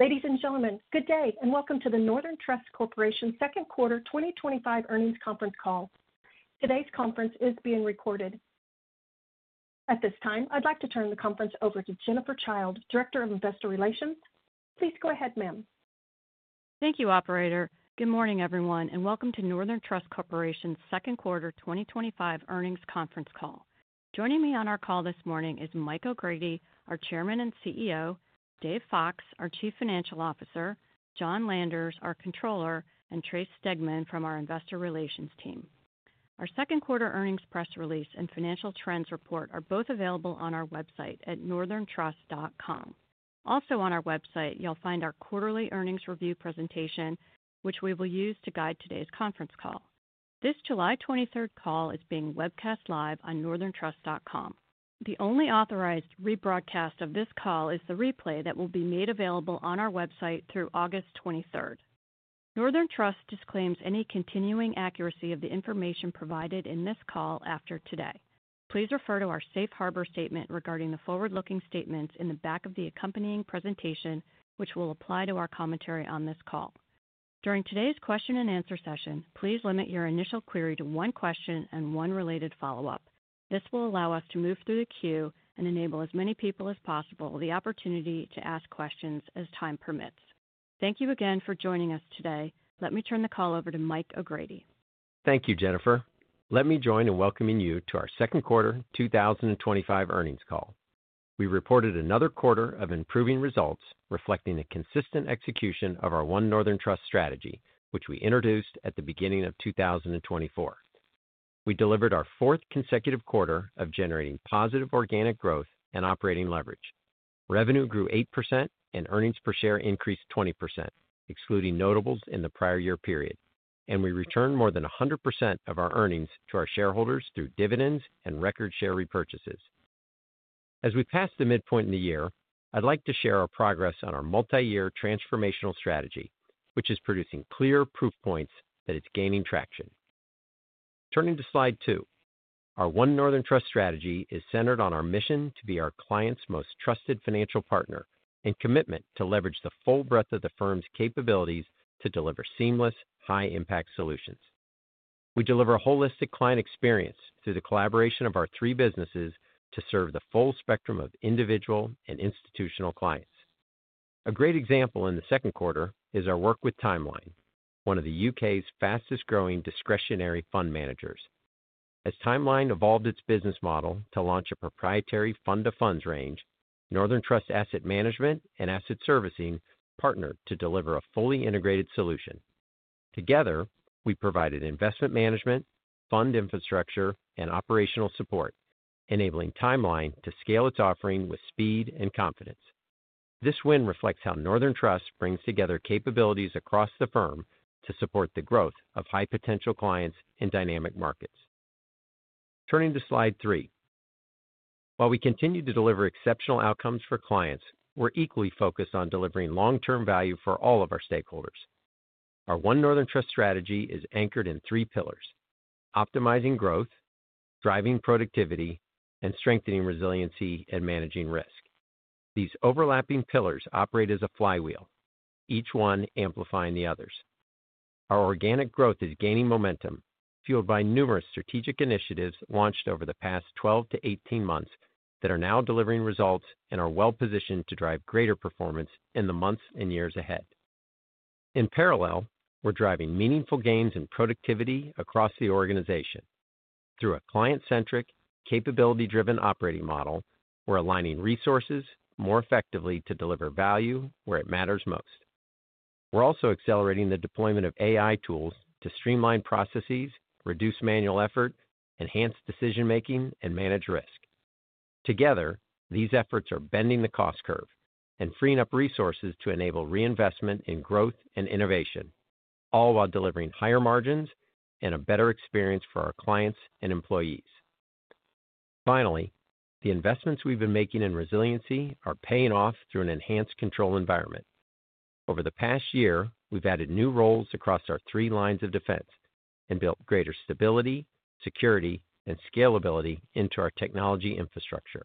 Ladies and gentlemen, good day and welcome to the Northern Trust Corporation Second Quarter 2025 Earnings Conference call. Today's conference is being recorded. At this time, I'd like to turn the conference over to Jennifer Childe, Director of Investor Relations. Please go ahead, ma'am. Thank you, Operator. Good morning, everyone, and welcome to Northern Trust Corporation's Second Quarter 2025 Earnings Conference call. Joining me on our call this morning is Michael O’Grady, our Chairman and CEO, Dave Fox, our Chief Financial Officer, John Landers, our Controller, and Trace Stegman from our Investor Relations team. Our Second Quarter Earnings Press Release and Financial Trends Report are both available on our website at northerntrust.com. Also, on our website, you will find our Quarterly Earnings Review presentation, which we will use to guide today's conference call. This July 23rd call is being webcast live on northerntrust.com. The only authorized rebroadcast of this call is the replay that will be made available on our website through August 23rd. Northern Trust disclaims any continuing accuracy of the information provided in this call after today. Please refer to our safe harbor statement regarding the forward-looking statements in the back of the accompanying presentation, which will apply to our commentary on this call. During today's question-and-answer session, please limit your initial query to one question and one related follow-up. This will allow us to move through the queue and enable as many people as possible the opportunity to ask questions as time permits. Thank you again for joining us today. Let me turn the call over to Mike O’Grady. Thank you, Jennifer. Let me join in welcoming you to our Second Quarter 2025 Earnings call. We reported another quarter of improving results, reflecting a consistent execution of our One Northern Trust strategy, which we introduced at the beginning of 2024. We delivered our fourth consecutive quarter of generating positive organic growth and operating leverage. Revenue grew 8%, and earnings per share increased 20%, excluding notables in the prior year period, and we returned more than 100% of our earnings to our shareholders through dividends and record share repurchases. As we pass the midpoint in the year, I'd like to share our progress on our multi-year transformational strategy, which is producing clear proof points that it's gaining traction. Turning to slide two, our One Northern Trust strategy is centered on our mission to be our client's most trusted financial partner and commitment to leverage the full breadth of the firm's capabilities to deliver seamless, high-impact solutions. We deliver a holistic client experience through the collaboration of our three businesses to serve the full spectrum of individual and institutional clients. A great example in the second quarter is our work with Timeline, one of the U.K.'s fastest-growing discretionary fund managers. As Timeline evolved its business model to launch a proprietary fund-to-funds range, Northern Trust Asset Management and Asset Servicing partnered to deliver a fully integrated solution. Together, we provided investment management, fund infrastructure, and operational support, enabling Timeline to scale its offering with speed and confidence. This win reflects how Northern Trust brings together capabilities across the firm to support the growth of high-potential clients in dynamic markets. Turning to slide three. While we continue to deliver exceptional outcomes for clients, we're equally focused on delivering long-term value for all of our stakeholders. Our One Northern Trust strategy is anchored in three pillars: optimizing growth, driving productivity, and strengthening resiliency and managing risk. These overlapping pillars operate as a flywheel, each one amplifying the others. Our organic growth is gaining momentum, fueled by numerous strategic initiatives launched over the past 12 to 18 months that are now delivering results and are well-positioned to drive greater performance in the months and years ahead. In parallel, we're driving meaningful gains in productivity across the organization. Through a client-centric, capability-driven operating model, we're aligning resources more effectively to deliver value where it matters most. We're also accelerating the deployment of AI tools to streamline processes, reduce manual effort, enhance decision-making, and manage risk. Together, these efforts are bending the cost curve and freeing up resources to enable reinvestment in growth and innovation, all while delivering higher margins and a better experience for our clients and employees. Finally, the investments we've been making in resiliency are paying off through an enhanced control environment. Over the past year, we've added new roles across our three lines of defense and built greater stability, security, and scalability into our technology infrastructure.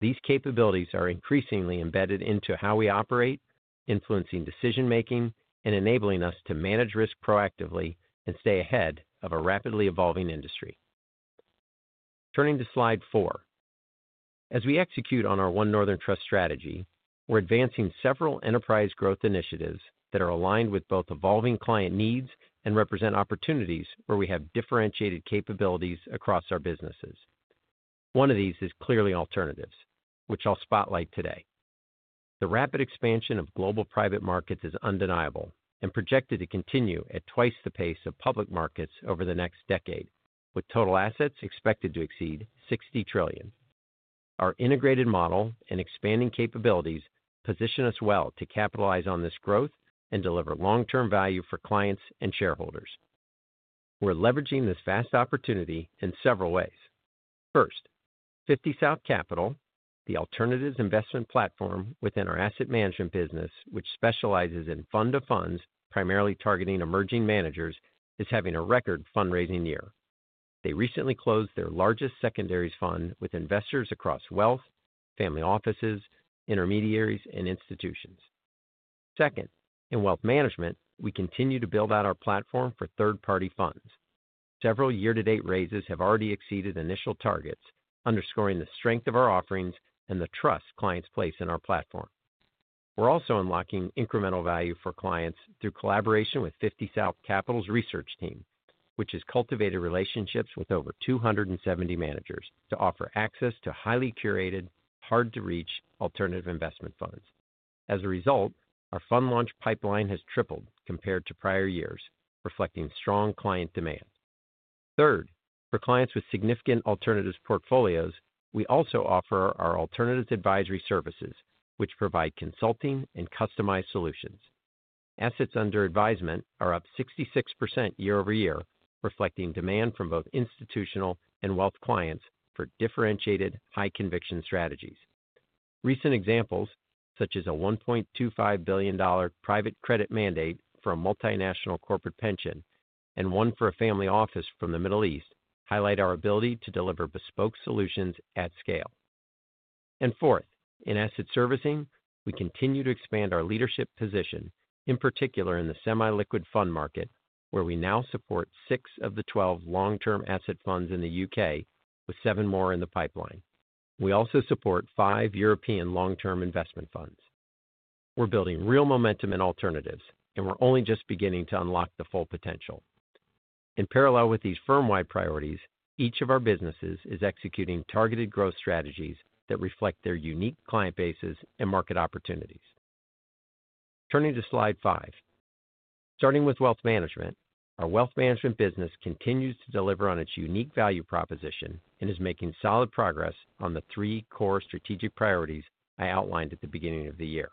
These capabilities are increasingly embedded into how we operate, influencing decision-making and enabling us to manage risk proactively and stay ahead of a rapidly evolving industry. Turning to slide four. As we execute on our One Northern Trust strategy, we're advancing several enterprise growth initiatives that are aligned with both evolving client needs and represent opportunities where we have differentiated capabilities across our businesses. One of these is Clearly Alternatives, which I'll spotlight today. The rapid expansion of global private markets is undeniable and projected to continue at twice the pace of public markets over the next decade, with total assets expected to exceed $60 trillion. Our integrated model and expanding capabilities position us well to capitalize on this growth and deliver long-term value for clients and shareholders. We're leveraging this vast opportunity in several ways. First, 50 South Capital, the alternatives investment platform within our asset management business, which specializes in fund-to-funds primarily targeting emerging managers, is having a record fundraising year. They recently closed their largest secondaries fund with investors across wealth, family offices, intermediaries, and institutions. Second, in wealth management, we continue to build out our platform for third-party funds. Several year-to-date raises have already exceeded initial targets, underscoring the strength of our offerings and the trust clients place in our platform. We're also unlocking incremental value for clients through collaboration with 50 South Capital's research team, which has cultivated relationships with over 270 managers to offer access to highly curated, hard-to-reach alternative investment funds. As a result, our fund launch pipeline has tripled compared to prior years, reflecting strong client demand. Third, for clients with significant alternatives portfolios, we also offer our alternatives advisory services, which provide consulting and customized solutions. Assets under advisement are up 66% year over year, reflecting demand from both institutional and wealth clients for differentiated, high-conviction strategies. Recent examples, such as a $1.25 billion private credit mandate for a multinational corporate pension and one for a family office from the Middle East, highlight our ability to deliver bespoke solutions at scale. In asset servicing, we continue to expand our leadership position, in particular in the semi-liquid fund market, where we now support six of the 12 long-term asset funds in the U.K., with seven more in the pipeline. We also support five European long-term investment funds. We're building real momentum in alternatives, and we're only just beginning to unlock the full potential. In parallel with these firm-wide priorities, each of our businesses is executing targeted growth strategies that reflect their unique client bases and market opportunities. Turning to slide five, starting with wealth management, our wealth management business continues to deliver on its unique value proposition and is making solid progress on the three core strategic priorities I outlined at the beginning of the year.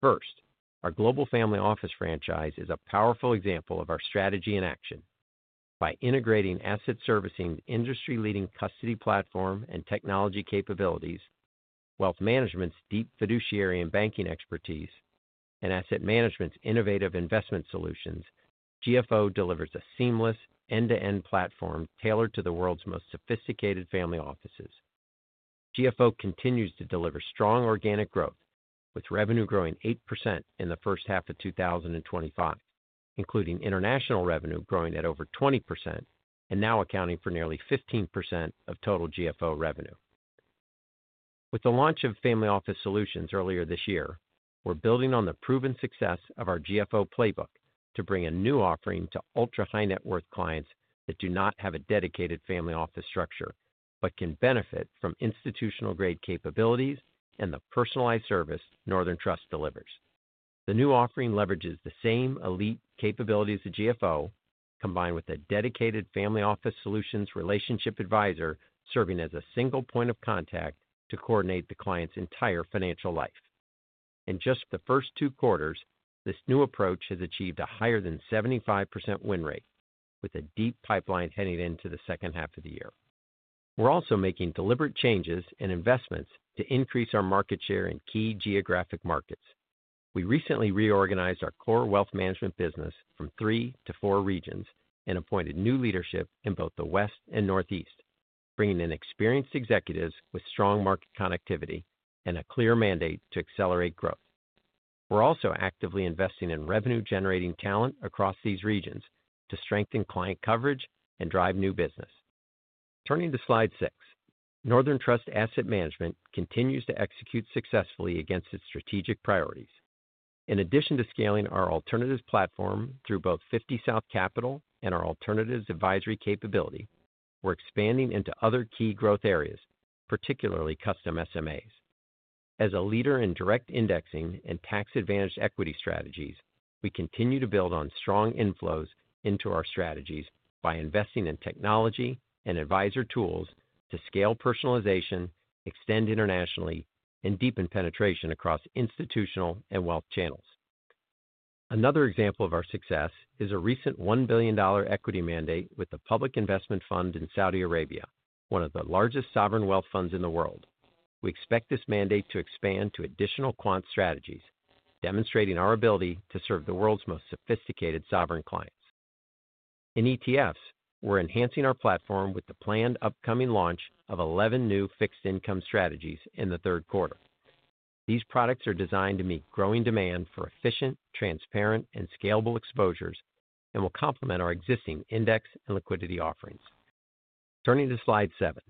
First, our global family office franchise is a powerful example of our strategy in action. By integrating asset servicing's industry-leading custody platform and technology capabilities, wealth management's deep fiduciary and banking expertise, and asset management's innovative investment solutions, GFO delivers a seamless end-to-end platform tailored to the world's most sophisticated family offices. GFO continues to deliver strong organic growth, with revenue growing 8% in the first half of 2025, including international revenue growing at over 20% and now accounting for nearly 15% of total GFO revenue. With the launch of Family Office Solutions earlier this year, we're building on the proven success of our GFO playbook to bring a new offering to ultra-high net worth clients that do not have a dedicated family office structure but can benefit from institutional-grade capabilities and the personalized service Northern Trust delivers. The new offering leverages the same elite capabilities of GFO, combined with a dedicated Family Office Solutions relationship advisor serving as a single point of contact to coordinate the client's entire financial life. In just the first two quarters, this new approach has achieved a higher than 75% win rate, with a deep pipeline heading into the second half of the year. We're also making deliberate changes in investments to increase our market share in key geographic markets. We recently reorganized our core wealth management business from three to four regions and appointed new leadership in both the West and Northeast, bringing in experienced executives with strong market connectivity and a clear mandate to accelerate growth. We're also actively investing in revenue-generating talent across these regions to strengthen client coverage and drive new business. Turning to slide six, Northern Trust Asset Management continues to execute successfully against its strategic priorities. In addition to scaling our alternatives platform through both 50 South Capital and our alternatives advisory capability, we're expanding into other key growth areas, particularly custom SMAs. As a leader in direct indexing and tax-advantaged equity strategies, we continue to build on strong inflows into our strategies by investing in technology and advisor tools to scale personalization, extend internationally, and deepen penetration across institutional and wealth channels. Another example of our success is a recent $1 billion equity mandate with the Public Investment Fund in Saudi Arabia, one of the largest sovereign wealth funds in the world. We expect this mandate to expand to additional quant strategies, demonstrating our ability to serve the world's most sophisticated sovereign clients. In ETFs, we're enhancing our platform with the planned upcoming launch of 11 new fixed-income strategies in the third quarter. These products are designed to meet growing demand for efficient, transparent, and scalable exposures and will complement our existing index and liquidity offerings. Turning to slide seven,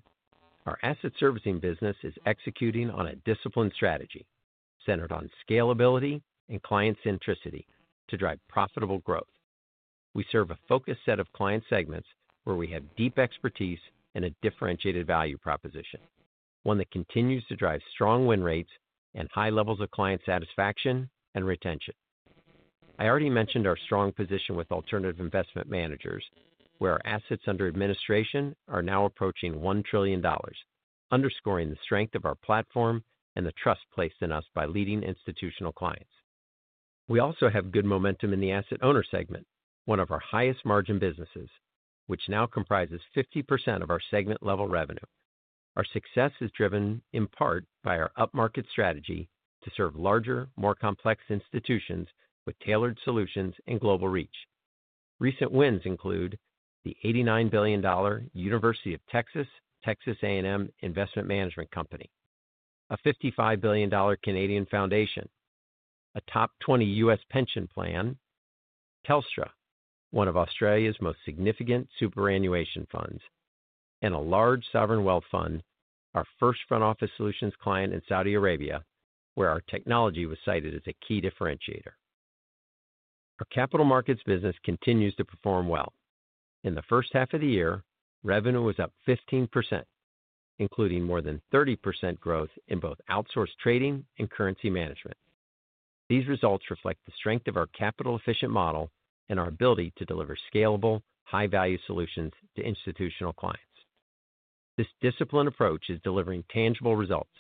our asset servicing business is executing on a disciplined strategy centered on scalability and client centricity to drive profitable growth. We serve a focused set of client segments where we have deep expertise and a differentiated value proposition, one that continues to drive strong win rates and high levels of client satisfaction and retention. I already mentioned our strong position with alternative investment managers, where our assets under administration are now approaching $1 trillion, underscoring the strength of our platform and the trust placed in us by leading institutional clients. We also have good momentum in the asset owner segment, one of our highest-margin businesses, which now comprises 50% of our segment-level revenue. Our success is driven in part by our up-market strategy to serve larger, more complex institutions with tailored solutions and global reach. Recent wins include the $89 billion University of Texas/Texas A&M Investment Management Company, a $55 billion Canadian foundation, a top 20 US pension plan, Telstra, one of Australia's most significant superannuation funds, and a large sovereign wealth fund, our first front office solutions client in Saudi Arabia, where our technology was cited as a key differentiator. Our capital markets business continues to perform well. In the first half of the year, revenue was up 15%, including more than 30% growth in both outsourced trading and currency management. These results reflect the strength of our capital-efficient model and our ability to deliver scalable, high-value solutions to institutional clients. This disciplined approach is delivering tangible results.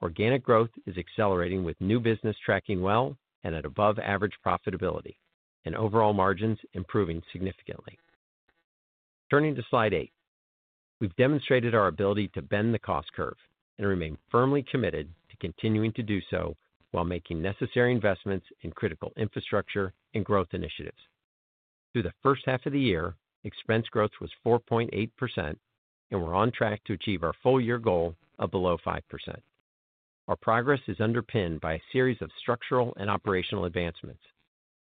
Organic growth is accelerating with new business tracking well and at above-average profitability, and overall margins improving significantly. Turning to slide eight, we've demonstrated our ability to bend the cost curve and remain firmly committed to continuing to do so while making necessary investments in critical infrastructure and growth initiatives. Through the first half of the year, expense growth was 4.8%, and we're on track to achieve our full-year goal of below 5%. Our progress is underpinned by a series of structural and operational advancements.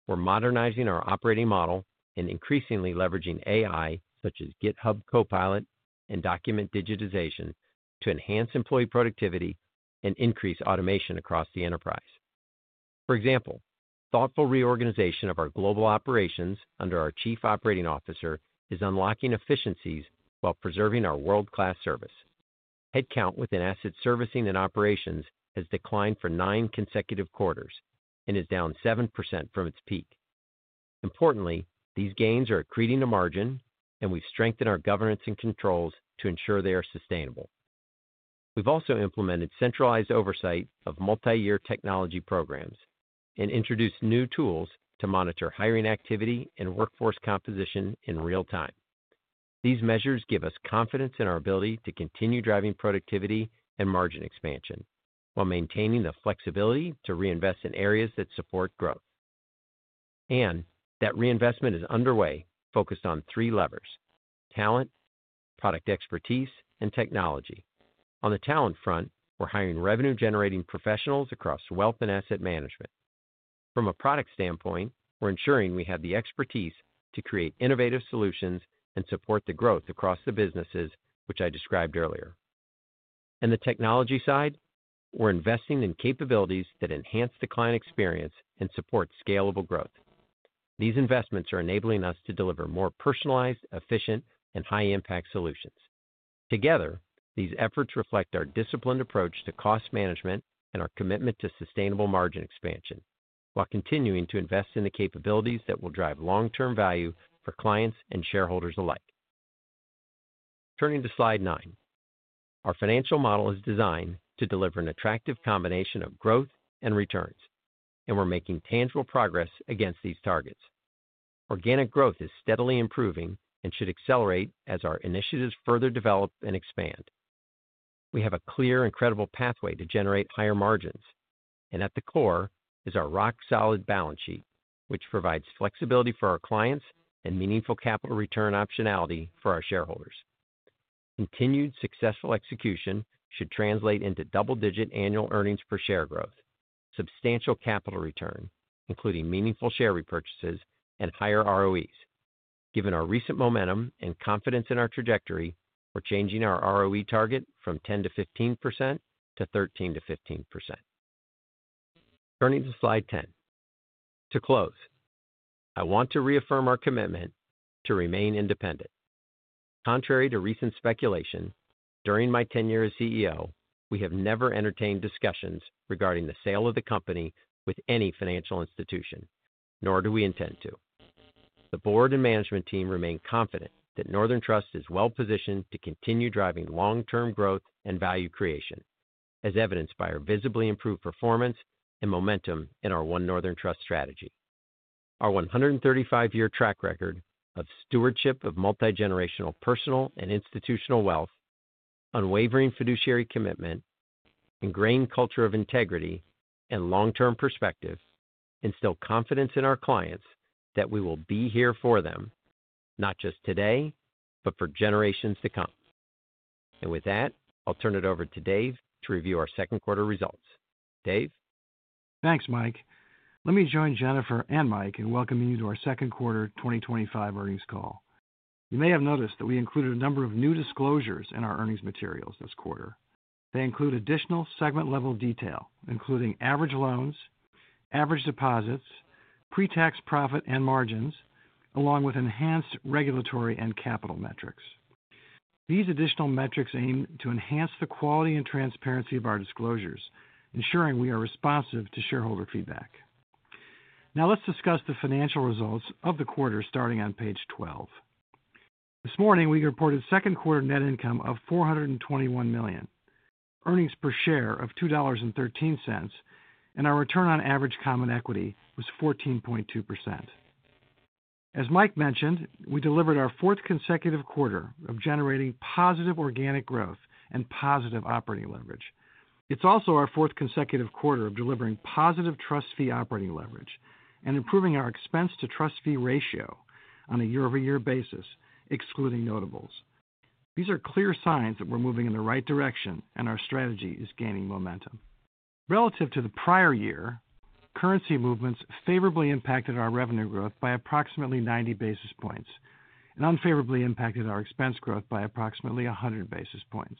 We're modernizing our operating model and increasingly leveraging AI, such as GitHub Copilot and document digitization, to enhance employee productivity and increase automation across the enterprise. For example, thoughtful reorganization of our global operations under our Chief Operating Officer is unlocking efficiencies while preserving our world-class service. Headcount within asset servicing and operations has declined for nine consecutive quarters and is down 7% from its peak. Importantly, these gains are accreting to margin, and we've strengthened our governance and controls to ensure they are sustainable. We've also implemented centralized oversight of multi-year technology programs and introduced new tools to monitor hiring activity and workforce composition in real time. These measures give us confidence in our ability to continue driving productivity and margin expansion while maintaining the flexibility to reinvest in areas that support growth. That reinvestment is underway, focused on three levers: talent, product expertise, and technology. On the talent front, we're hiring revenue-generating professionals across wealth and asset management. From a product standpoint, we're ensuring we have the expertise to create innovative solutions and support the growth across the businesses, which I described earlier. On the technology side, we're investing in capabilities that enhance the client experience and support scalable growth. These investments are enabling us to deliver more personalized, efficient, and high-impact solutions. Together, these efforts reflect our disciplined approach to cost management and our commitment to sustainable margin expansion, while continuing to invest in the capabilities that will drive long-term value for clients and shareholders alike. Turning to slide nine, our financial model is designed to deliver an attractive combination of growth and returns, and we're making tangible progress against these targets. Organic growth is steadily improving and should accelerate as our initiatives further develop and expand. We have a clear and credible pathway to generate higher margins, and at the core is our rock-solid balance sheet, which provides flexibility for our clients and meaningful capital return optionality for our shareholders. Continued successful execution should translate into double-digit annual earnings per share growth, substantial capital return, including meaningful share repurchases and higher ROEs. Given our recent momentum and confidence in our trajectory, we're changing our ROE target from 10%-15% to 13%-15%. Turning to slide 10. To close, I want to reaffirm our commitment to remain independent. Contrary to recent speculation, during my tenure as CEO, we have never entertained discussions regarding the sale of the company with any financial institution, nor do we intend to. The board and management team remain confident that Northern Trust is well-positioned to continue driving long-term growth and value creation, as evidenced by our visibly improved performance and momentum in our One Northern Trust strategy. Our 135-year track record of stewardship of multi-generational personal and institutional wealth, unwavering fiduciary commitment. Ingrained culture of integrity, and long-term perspective instill confidence in our clients that we will be here for them, not just today, but for generations to come. With that, I'll turn it over to Dave to review our second quarter results. Dave? Thanks, Mike. Let me join Jennifer and Mike in Welcoming you to our Second Quarter 2025 Earnings Call. You may have noticed that we included a number of new disclosures in our earnings materials this quarter. They include additional segment-level detail, including average loans, average deposits, pre-tax profit and margins, along with enhanced regulatory and capital metrics. These additional metrics aim to enhance the quality and transparency of our disclosures, ensuring we are responsive to shareholder feedback. Now, let's discuss the financial results of the quarter starting on page 12. This morning, we reported second quarter net income of $421 million, earnings per share of $2.13, and our return on average common equity was 14.2%. As Mike mentioned, we delivered our fourth consecutive quarter of generating positive organic growth and positive operating leverage. It's also our fourth consecutive quarter of delivering positive trust fee operating leverage and improving our expense-to-trust fee ratio on a year-over-year basis, excluding notables. These are clear signs that we're moving in the right direction and our strategy is gaining momentum. Relative to the prior year, currency movements favorably impacted our revenue growth by approximately 90 basis points and unfavorably impacted our expense growth by approximately 100 basis points.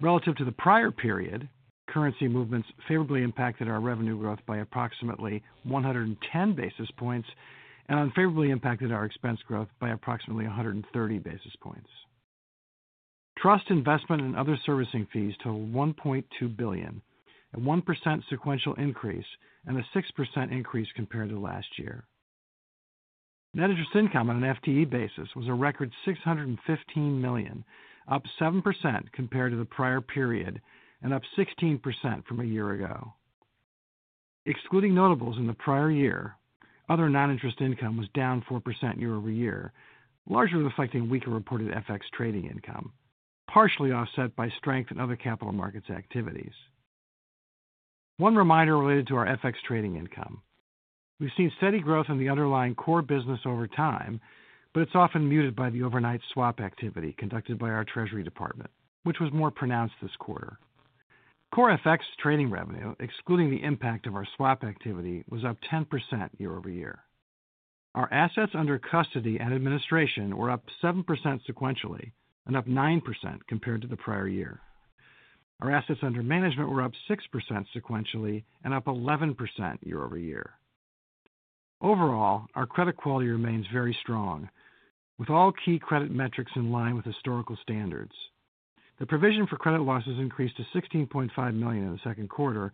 Relative to the prior period, currency movements favorably impacted our revenue growth by approximately 110 basis points and unfavorably impacted our expense growth by approximately 130 basis points. Trust investment and other servicing fees totaled $1.2 billion, a 1% sequential increase and a 6% increase compared to last year. Net interest income on an FTE basis was a record $615 million, up 7% compared to the prior period and up 16% from a year ago. Excluding notables in the prior year, other non-interest income was down 4% year-over-year, largely reflecting weaker reported FX trading income, partially offset by strength in other capital markets activities. One reminder related to our FX trading income. We've seen steady growth in the underlying core business over time, but it's often muted by the overnight swap activity conducted by our treasury department, which was more pronounced this quarter. Core FX trading revenue, excluding the impact of our swap activity, was up 10% year-over-year. Our assets under custody and administration were up 7% sequentially and up 9% compared to the prior year. Our assets under management were up 6% sequentially and up 11% year-over-year. Overall, our credit quality remains very strong, with all key credit metrics in line with historical standards. The provision for credit losses increased to $16.5 million in the second quarter,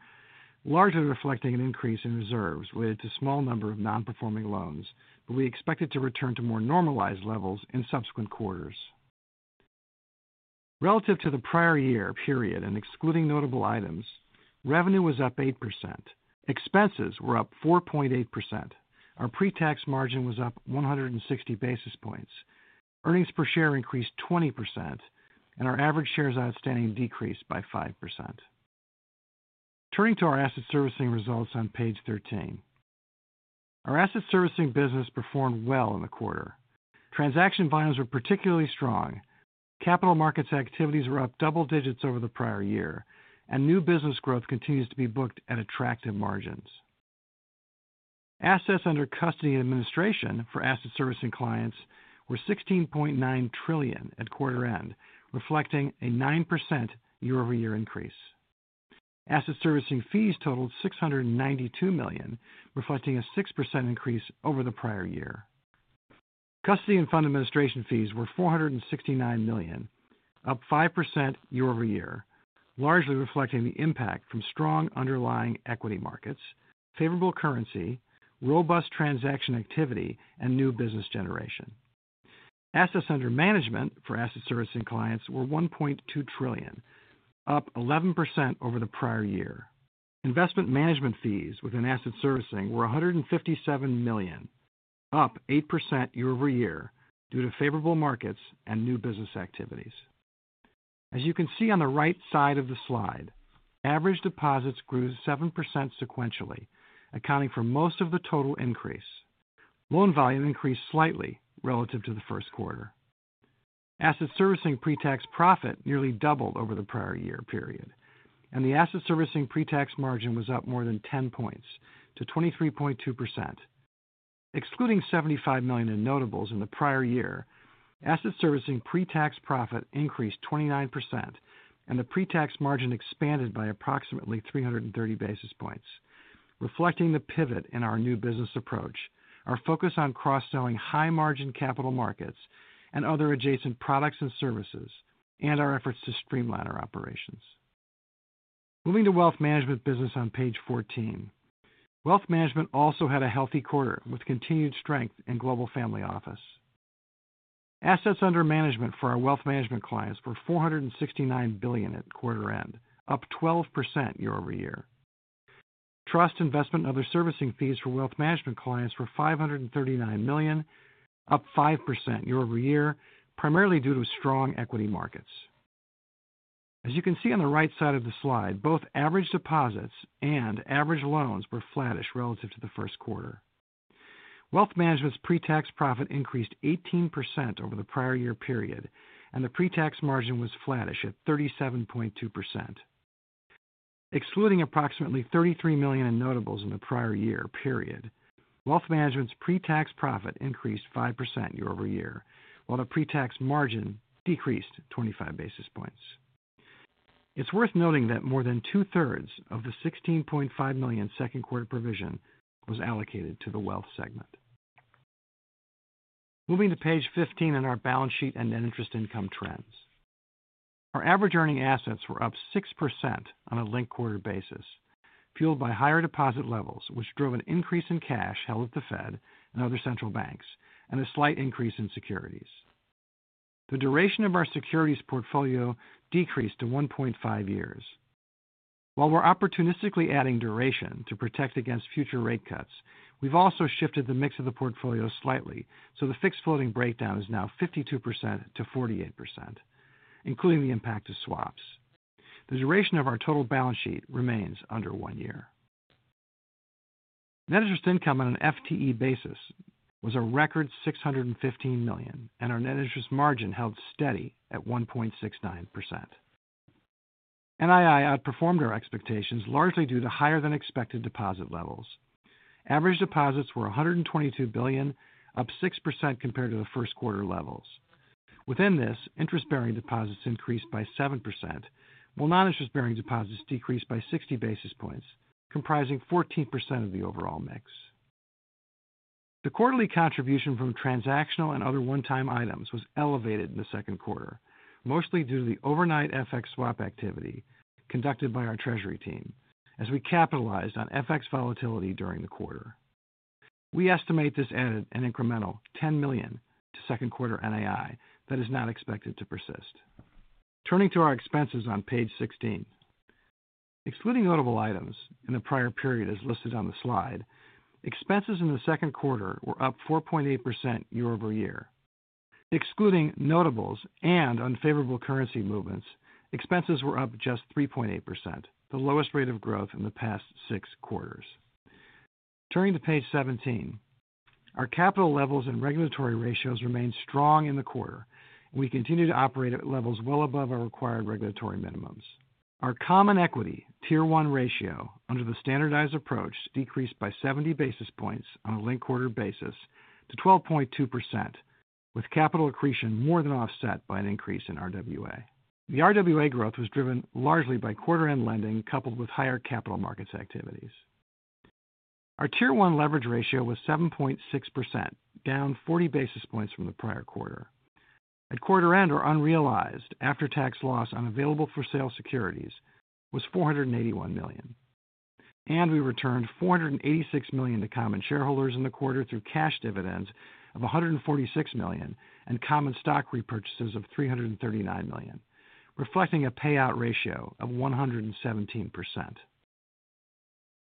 largely reflecting an increase in reserves related to a small number of non-performing loans, but we expect it to return to more normalized levels in subsequent quarters. Relative to the prior year period and excluding notable items, revenue was up 8%. Expenses were up 4.8%. Our pre-tax margin was up 160 basis points. Earnings per share increased 20%, and our average shares outstanding decreased by 5%. Turning to our asset servicing results on page 13. Our asset servicing business performed well in the quarter. Transaction volumes were particularly strong. Capital markets activities were up double digits over the prior year, and new business growth continues to be booked at attractive margins. Assets under custody and administration for asset servicing clients were $16.9 trillion at quarter end, reflecting a 9% year-over-year increase. Asset servicing fees totaled $692 million, reflecting a 6% increase over the prior year. Custody and fund administration fees were $469 million, up 5% year-over-year, largely reflecting the impact from strong underlying equity markets, favorable currency, robust transaction activity, and new business generation. Assets under management for asset servicing clients were $1.2 trillion, up 11% over the prior year. Investment management fees within asset servicing were $157 million, up 8% year-over-year due to favorable markets and new business activities. As you can see on the right side of the slide, average deposits grew 7% sequentially, accounting for most of the total increase. Loan volume increased slightly relative to the first quarter. Asset servicing pre-tax profit nearly doubled over the prior year period, and the asset servicing pre-tax margin was up more than 10 points to 23.2%. Excluding $75 million in notables in the prior year, asset servicing pre-tax profit increased 29%, and the pre-tax margin expanded by approximately 330 basis points, reflecting the pivot in our new business approach, our focus on cross-selling high-margin capital markets and other adjacent products and services, and our efforts to streamline our operations. Moving to wealth management business on page 14. Wealth management also had a healthy quarter with continued strength in global family office. Assets under management for our wealth management clients were $469 billion at quarter end, up 12% year-over-year. Trust investment and other servicing fees for wealth management clients were $539 million, up 5% year-over-year, primarily due to strong equity markets. As you can see on the right side of the slide, both average deposits and average loans were flattish relative to the first quarter. Wealth management's pre-tax profit increased 18% over the prior year period, and the pre-tax margin was flattish at 37.2%. Excluding approximately $33 million in notables in the prior year period. Wealth management's pre-tax profit increased 5% year-over-year, while the pre-tax margin decreased 25 basis points. It's worth noting that more than two-thirds of the $16.5 million second quarter provision was allocated to the wealth segment. Moving to page 15 in our balance sheet and net interest income trends. Our average earning assets were up 6% on a link quarter basis, fueled by higher deposit levels, which drove an increase in cash held at the Fed and other central banks, and a slight increase in securities. The duration of our securities portfolio decreased to 1.5 years. While we're opportunistically adding duration to protect against future rate cuts, we've also shifted the mix of the portfolio slightly, so the fixed floating breakdown is now 52% to 48%, including the impact of swaps. The duration of our total balance sheet remains under one year. Net interest income on an FTE basis was a record $615 million, and our net interest margin held steady at 1.69%. NII outperformed our expectations, largely due to higher-than-expected deposit levels. Average deposits were $122 billion, up 6% compared to the first quarter levels. Within this, interest-bearing deposits increased by 7%, while non-interest-bearing deposits decreased by 60 basis points, comprising 14% of the overall mix. The quarterly contribution from transactional and other one-time items was elevated in the second quarter, mostly due to the overnight FX swap activity conducted by our treasury team, as we capitalized on FX volatility during the quarter. We estimate this added an incremental $10 million to second quarter NII that is not expected to persist. Turning to our expenses on page 16. Excluding notable items in the prior period as listed on the slide, expenses in the second quarter were up 4.8% year-over-year. Excluding notables and unfavorable currency movements, expenses were up just 3.8%, the lowest rate of growth in the past six quarters. Turning to page 17. Our capital levels and regulatory ratios remained strong in the quarter, and we continue to operate at levels well above our required regulatory minimums. Our common equity tier one ratio under the standardized approach decreased by 70 basis points on a link quarter basis to 12.2%, with capital accretion more than offset by an increase in RWA. The RWA growth was driven largely by quarter-end lending coupled with higher capital markets activities. Our tier one leverage ratio was 7.6%, down 40 basis points from the prior quarter. At quarter end, our unrealized after-tax loss on available for sale securities was $481 million. We returned $486 million to common shareholders in the quarter through cash dividends of $146 million and common stock repurchases of $339 million, reflecting a payout ratio of 117%.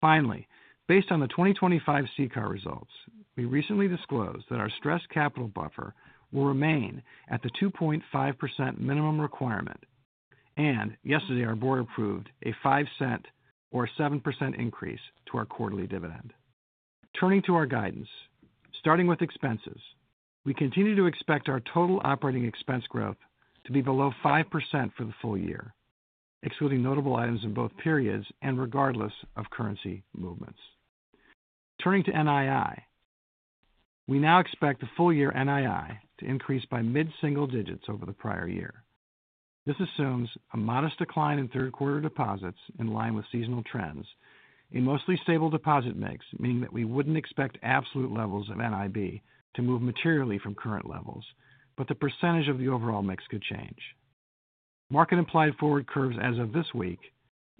Finally, based on the 2025 CCAR results, we recently disclosed that our stress capital buffer will remain at the 2.5% minimum requirement, and yesterday, our board approved a 5-cent or 7% increase to our quarterly dividend. Turning to our guidance, starting with expenses, we continue to expect our total operating expense growth to be below 5% for the full year, excluding notable items in both periods and regardless of currency movements. Turning to NII. We now expect the full-year NII to increase by mid-single digits over the prior year. This assumes a modest decline in third quarter deposits in line with seasonal trends, a mostly stable deposit mix, meaning that we would not expect absolute levels of NIB to move materially from current levels, but the percentage of the overall mix could change. Market implied forward curves as of this week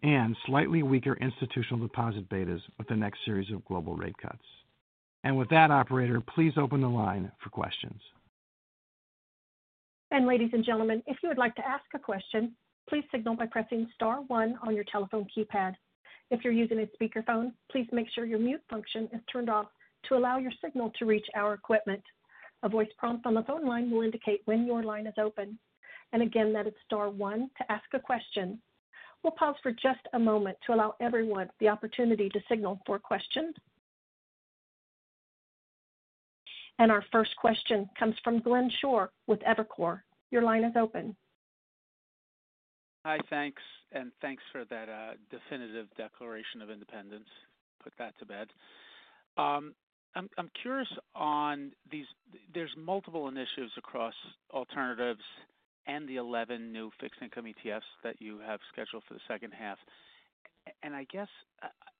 and slightly weaker institutional deposit betas with the next series of global rate cuts. With that, operator, please open the line for questions. Ladies and gentlemen, if you would like to ask a question, please signal by pressing star one on your telephone keypad. If you are using a speakerphone, please make sure your mute function is turned off to allow your signal to reach our equipment. A voice prompt on the phone line will indicate when your line is open. Again, that is star one to ask a question. We will pause for just a moment to allow everyone the opportunity to signal for a question. Our first question comes from Glenn Shore with Evercore. Your line is open. Hi, thanks. Thanks for that definitive declaration of independence. Put that to bed. I am curious on these. There are multiple initiatives across alternatives and the 11 new fixed income ETFs that you have scheduled for the second half. I guess,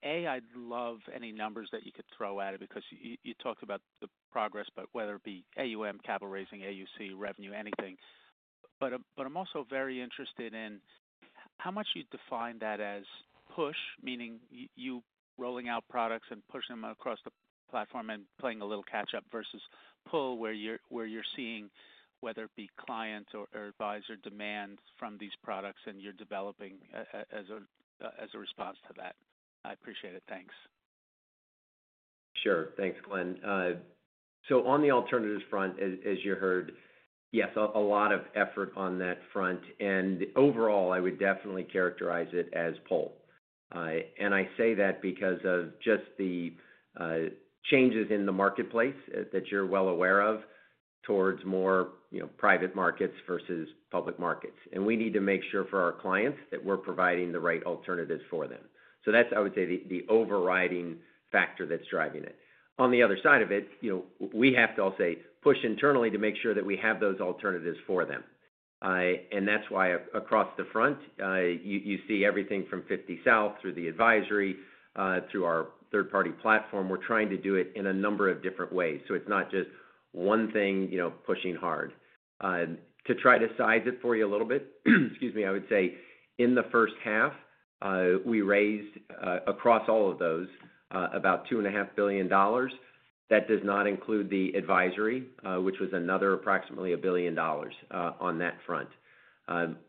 A, I would love any numbers that you could throw at it because you talked about the progress, but whether it be AUM, capital raising, AUC, revenue, anything. I am also very interested in, How much you define that as push, meaning you rolling out products and pushing them across the platform and playing a little catch-up versus pull, where you're seeing whether it be client or advisor demand from these products and you're developing as a response to that. I appreciate it. Thanks. Sure. Thanks, Glenn. On the alternatives front, as you heard, yes, a lot of effort on that front. Overall, I would definitely characterize it as pull. I say that because of just the changes in the marketplace that you're well aware of towards more private markets versus public markets. We need to make sure for our clients that we're providing the right alternatives for them. That is, I would say, the overriding factor that's driving it. On the other side of it, we have to also say push internally to make sure that we have those alternatives for them. That is why across the front you see everything from 50 South through the advisory, through our third-party platform. We're trying to do it in a number of different ways. It is not just one thing pushing hard. To try to size it for you a little bit, excuse me, I would say in the first half, we raised across all of those about $2.5 billion. That does not include the advisory, which was another approximately $1 billion on that front.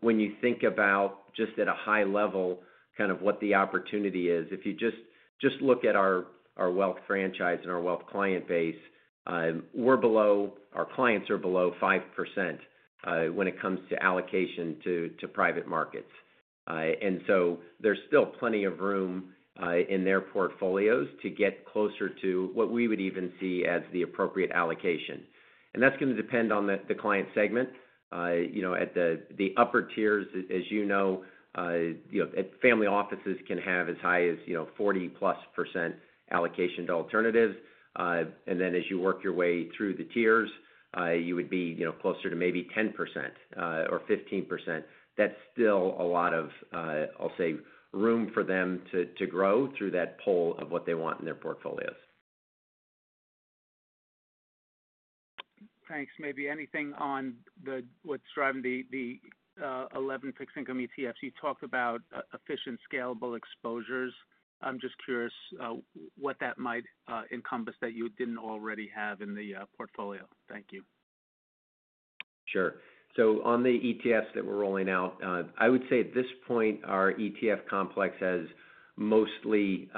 When you think about just at a high level kind of what the opportunity is, if you just look at our wealth franchise and our wealth client base, our clients are below 5% when it comes to allocation to private markets. There is still plenty of room in their portfolios to get closer to what we would even see as the appropriate allocation. That is going to depend on the client segment. At the upper tiers, as you know, family offices can have as high as 40-plus % allocation to alternatives. As you work your way through the tiers, you would be closer to maybe 10% or 15%. That is still a lot of, I'll say, room for them to grow through that pull of what they want in their portfolios. Thanks. Maybe anything on what's driving the 11 fixed income ETFs? You talked about efficient, scalable exposures. I'm just curious what that might encompass that you didn't already have in the portfolio. Thank you. Sure. On the ETFs that we're rolling out, I would say at this point, our ETF complex has mostly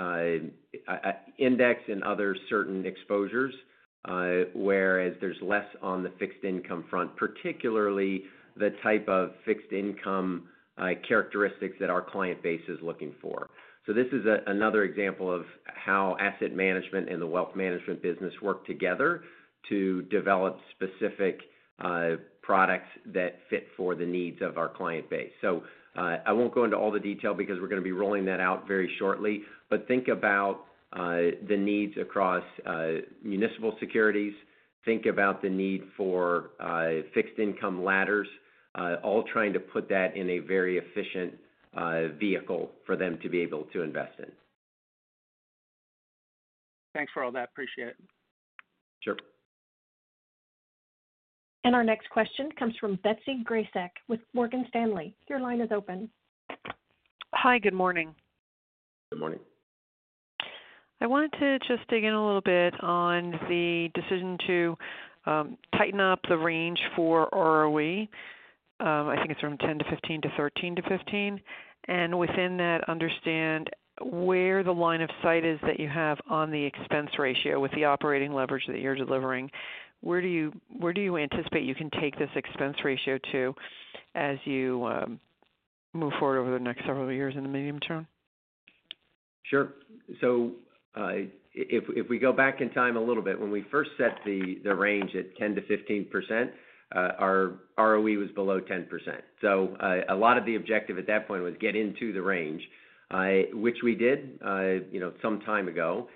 index and other certain exposures, whereas there's less on the fixed income front, particularly the type of fixed income characteristics that our client base is looking for. This is another example of how asset management and the wealth management business work together to develop specific products that fit for the needs of our client base. I won't go into all the detail because we're going to be rolling that out very shortly. But think about. The needs across municipal securities. Think about the need for fixed income ladders, all trying to put that in a very efficient vehicle for them to be able to invest in. Thanks for all that. Appreciate it. Sure. Our next question comes from Betsy Grascek with Morgan Stanley. Your line is open. Hi. Good morning. Good morning. I wanted to just dig in a little bit on the decision to tighten up the range for ROE. I think it's from 10-15% to 13-15%. Within that, understand where the line of sight is that you have on the expense ratio with the operating leverage that you're delivering. Where do you anticipate you can take this expense ratio to as you move forward over the next several years in the medium term? Sure. If we go back in time a little bit, when we first set the range at 10-15%, our ROE was below 10%. A lot of the objective at that point was get into the range, which we did some time ago.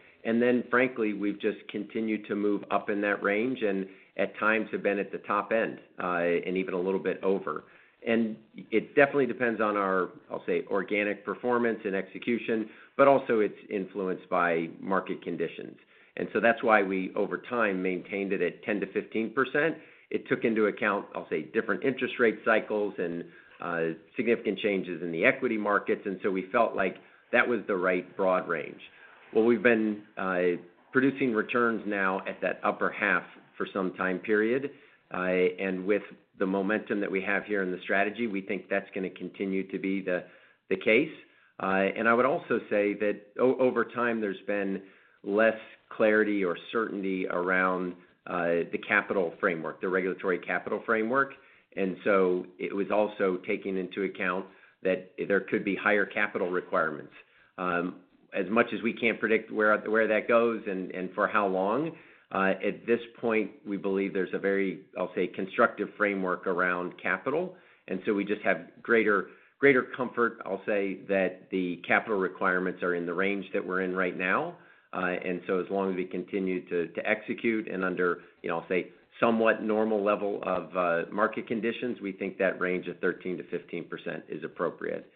Frankly, we've just continued to move up in that range, and at times have been at the top end and even a little bit over. It definitely depends on our, I'll say, organic performance and execution, but also it's influenced by market conditions. That's why we, over time, maintained it at 10-15%. It took into account, I'll say, different interest rate cycles and significant changes in the equity markets. We felt like that was the right broad range. We've been producing returns now at that upper half for some time period. With the momentum that we have here in the strategy, we think that's going to continue to be the case. I would also say that over time, there's been less clarity or certainty around the capital framework, the regulatory capital framework. It was also taking into account that there could be higher capital requirements. As much as we can't predict where that goes and for how long, at this point, we believe there's a very, I'll say, constructive framework around capital. We just have greater comfort, I'll say, that the capital requirements are in the range that we're in right now. As long as we continue to execute and under, I'll say, somewhat normal level of market conditions, we think that range of 13-15% is appropriate.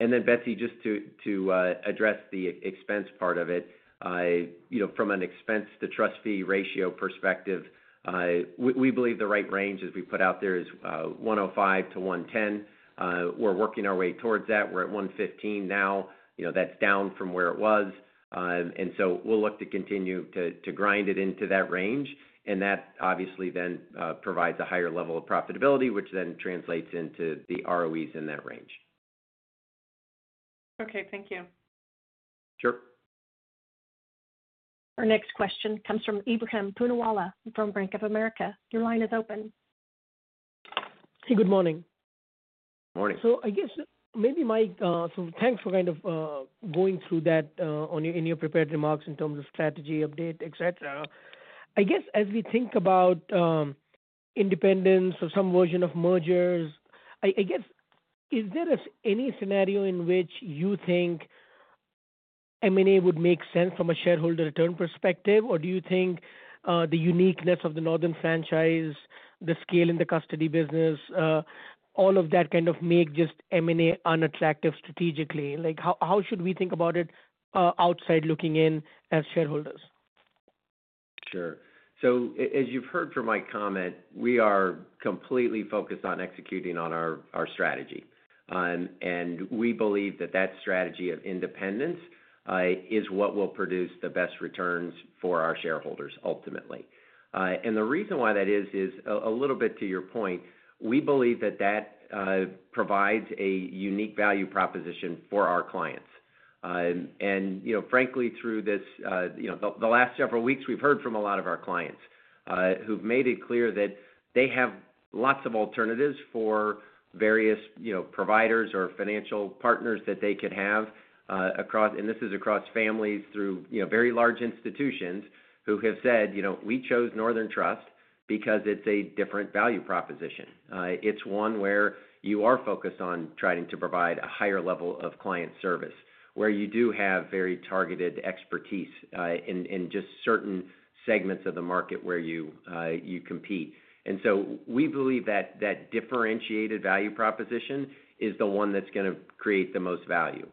Then, Betsy, just to address the expense part of it. From an expense to trust fee ratio perspective, we believe the right range, as we put out there, is 105-110. We're working our way towards that. We're at 115 now. That's down from where it was. We'll look to continue to grind it into that range. That, obviously, then provides a higher level of profitability, which then translates into the ROEs in that range. Okay. Thank you. Sure. Our next question comes from Ebrahim Poonawala from Bank of America. Your line is open. Hey, good morning. Morning. I guess maybe Mike, thanks for kind of going through that in your prepared remarks in terms of strategy update, etc. I guess as we think about independence or some version of mergers, is there any scenario in which you think M&A would make sense from a shareholder return perspective? Or do you think the uniqueness of the Northern franchise, the scale in the custody business, all of that kind of make just M&A unattractive strategically? How should we think about it outside looking in as shareholders? Sure. As you've heard from my comment, we are completely focused on executing on our strategy. We believe that that strategy of independence is what will produce the best returns for our shareholders, ultimately. The reason why that is, is a little bit to your point. We believe that that provides a unique value proposition for our clients. Frankly, through this, the last several weeks, we've heard from a lot of our clients who've made it clear that they have lots of alternatives for various providers or financial partners that they could have across—this is across families through very large institutions—who have said, "We chose Northern Trust because it's a different value proposition." It's one where you are focused on trying to provide a higher level of client service, where you do have very targeted expertise in just certain segments of the market where you compete. We believe that that differentiated value proposition is the one that's going to create the most value.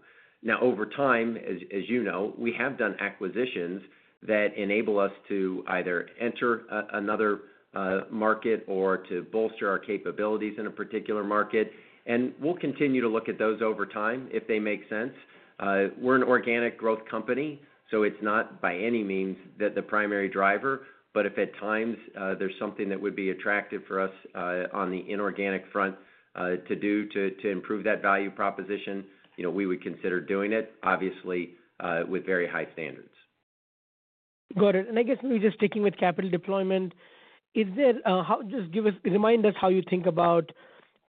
Now, over time, as you know, we have done acquisitions that enable us to either enter another market or to bolster our capabilities in a particular market. We'll continue to look at those over time if they make sense. We're an organic growth company, so it's not by any means the primary driver. If at times there's something that would be attractive for us on the inorganic front to do to improve that value proposition, we would consider doing it, obviously, with very high standards. Got it. I guess maybe just sticking with capital deployment, just remind us how you think about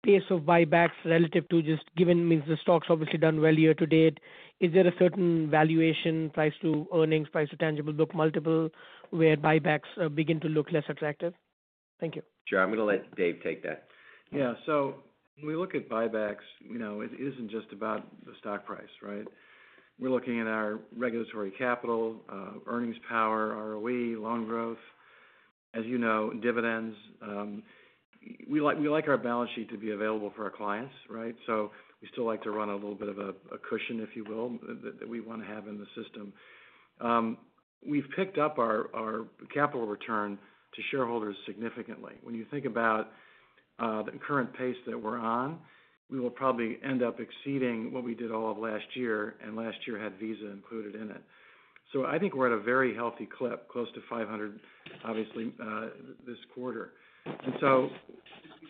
pace of buybacks relative to just given—I mean, the stock's obviously done well year to date—is there a certain valuation, price to earnings, price to tangible book multiple, where buybacks begin to look less attractive? Thank you. Sure. I'm going to let Dave take that. Yeah. When we look at buybacks, it isn't just about the stock price, right? We're looking at our regulatory capital, earnings power, ROE, loan growth. As you know, dividends. We like our balance sheet to be available for our clients, right? So we still like to run a little bit of a cushion, if you will, that we want to have in the system. We've picked up our capital return to shareholders significantly. When you think about the current pace that we're on, we will probably end up exceeding what we did all of last year, and last year had Visa included in it. I think we're at a very healthy clip, close to $500, obviously, this quarter. We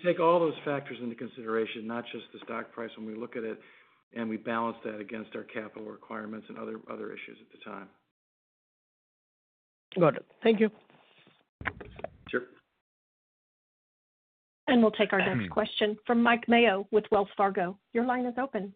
take all those factors into consideration, not just the stock price when we look at it, and we balance that against our capital requirements and other issues at the time. Got it. Thank you. Sure. We'll take our next question from Mike Mayo with Wells Fargo. Your line is open.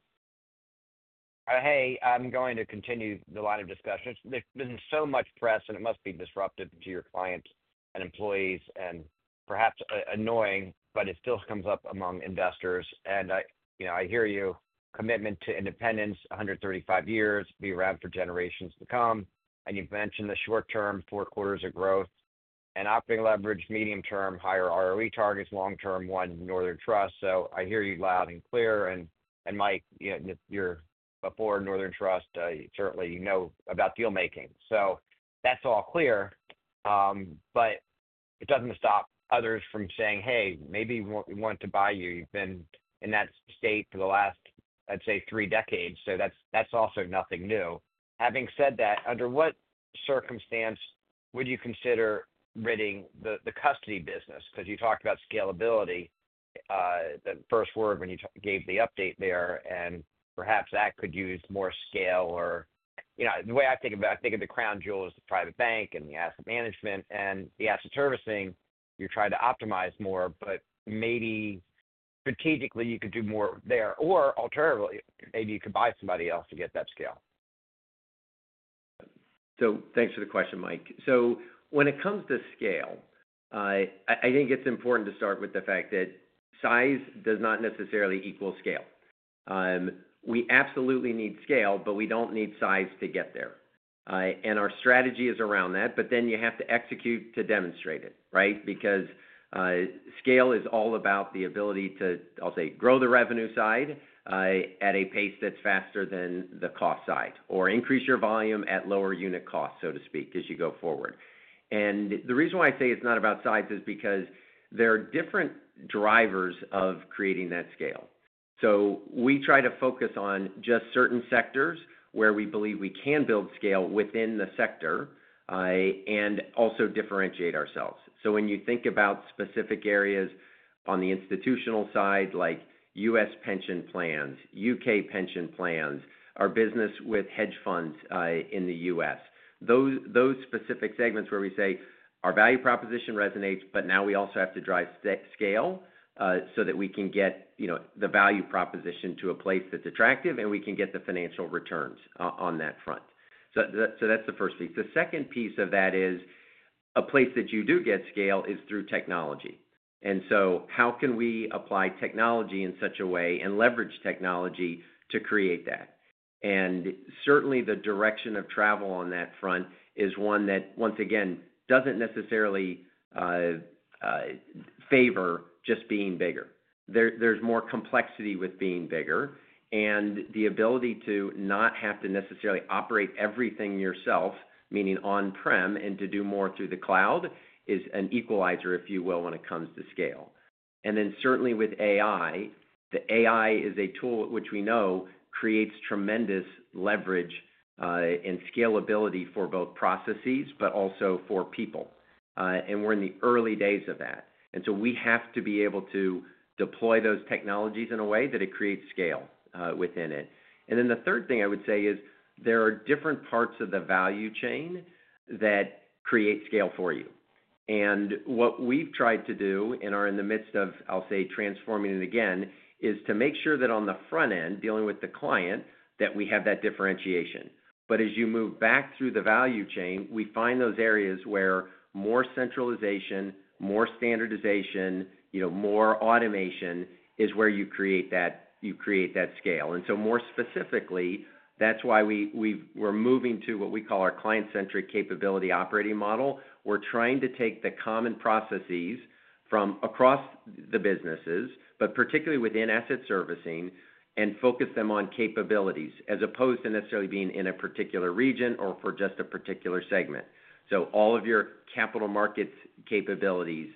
Hey, I'm going to continue the line of discussion. There's been so much press, and it must be disruptive to your clients and employees and perhaps annoying, but it still comes up among investors. I hear you. Commitment to independence, 135 years, be around for generations to come. You've mentioned the short-term four quarters of growth and operating leverage, medium-term, higher ROE targets, long-term one, Northern Trust. I hear you loud and clear. Mike, you're before Northern Trust. Certainly, you know about deal-making. That's all clear. It doesn't stop others from saying, "Hey, maybe we want to buy you." You've been in that state for the last, I'd say, three decades. That's also nothing new. Having said that, under what circumstance would you consider ridding the custody business? Because you talked about scalability. The first word when you gave the update there. Perhaps that could use more scale or the way I think of it, I think of the crown jewel as the private bank and the asset management. The asset servicing, you're trying to optimize more, but maybe strategically, you could do more there. Alternatively, maybe you could buy somebody else to get that scale. Thanks for the question, Mike. When it comes to scale, I think it's important to start with the fact that size does not necessarily equal scale. We absolutely need scale, but we don't need size to get there. Our strategy is around that, but then you have to execute to demonstrate it, right? Scale is all about the ability to, I'll say, grow the revenue side at a pace that's faster than the cost side, or increase your volume at lower unit cost, so to speak, as you go forward. The reason why I say it's not about size is because there are different drivers of creating that scale. We try to focus on just certain sectors where we believe we can build scale within the sector and also differentiate ourselves. When you think about specific areas on the institutional side, like U.S. pension plans, U.K. pension plans, our business with hedge funds in the U.S., those specific segments where we say our value proposition resonates, but now we also have to drive scale so that we can get the value proposition to a place that's attractive and we can get the financial returns on that front. That's the first piece. The second piece of that is a place that you do get scale is through technology. How can we apply technology in such a way and leverage technology to create that? Certainly, the direction of travel on that front is one that, once again, doesn't necessarily favor just being bigger. There's more complexity with being bigger. The ability to not have to necessarily operate everything yourself, meaning on-prem, and to do more through the cloud is an equalizer, if you will, when it comes to scale. Certainly with AI, the AI is a tool which we know creates tremendous leverage and scalability for both processes, but also for people. We're in the early days of that. We have to be able to deploy those technologies in a way that it creates scale within it. The third thing I would say is there are different parts of the value chain that create scale for you. What we've tried to do and are in the midst of, I'll say, transforming it again, is to make sure that on the front end, dealing with the client, that we have that differentiation. As you move back through the value chain, we find those areas where more centralization, more standardization, more automation is where you create that scale. More specifically, that's why we're moving to what we call our client-centric capability operating model. We're trying to take the common processes from across the businesses, but particularly within asset servicing, and focus them on capabilities as opposed to necessarily being in a particular region or for just a particular segment. All of your capital markets capabilities,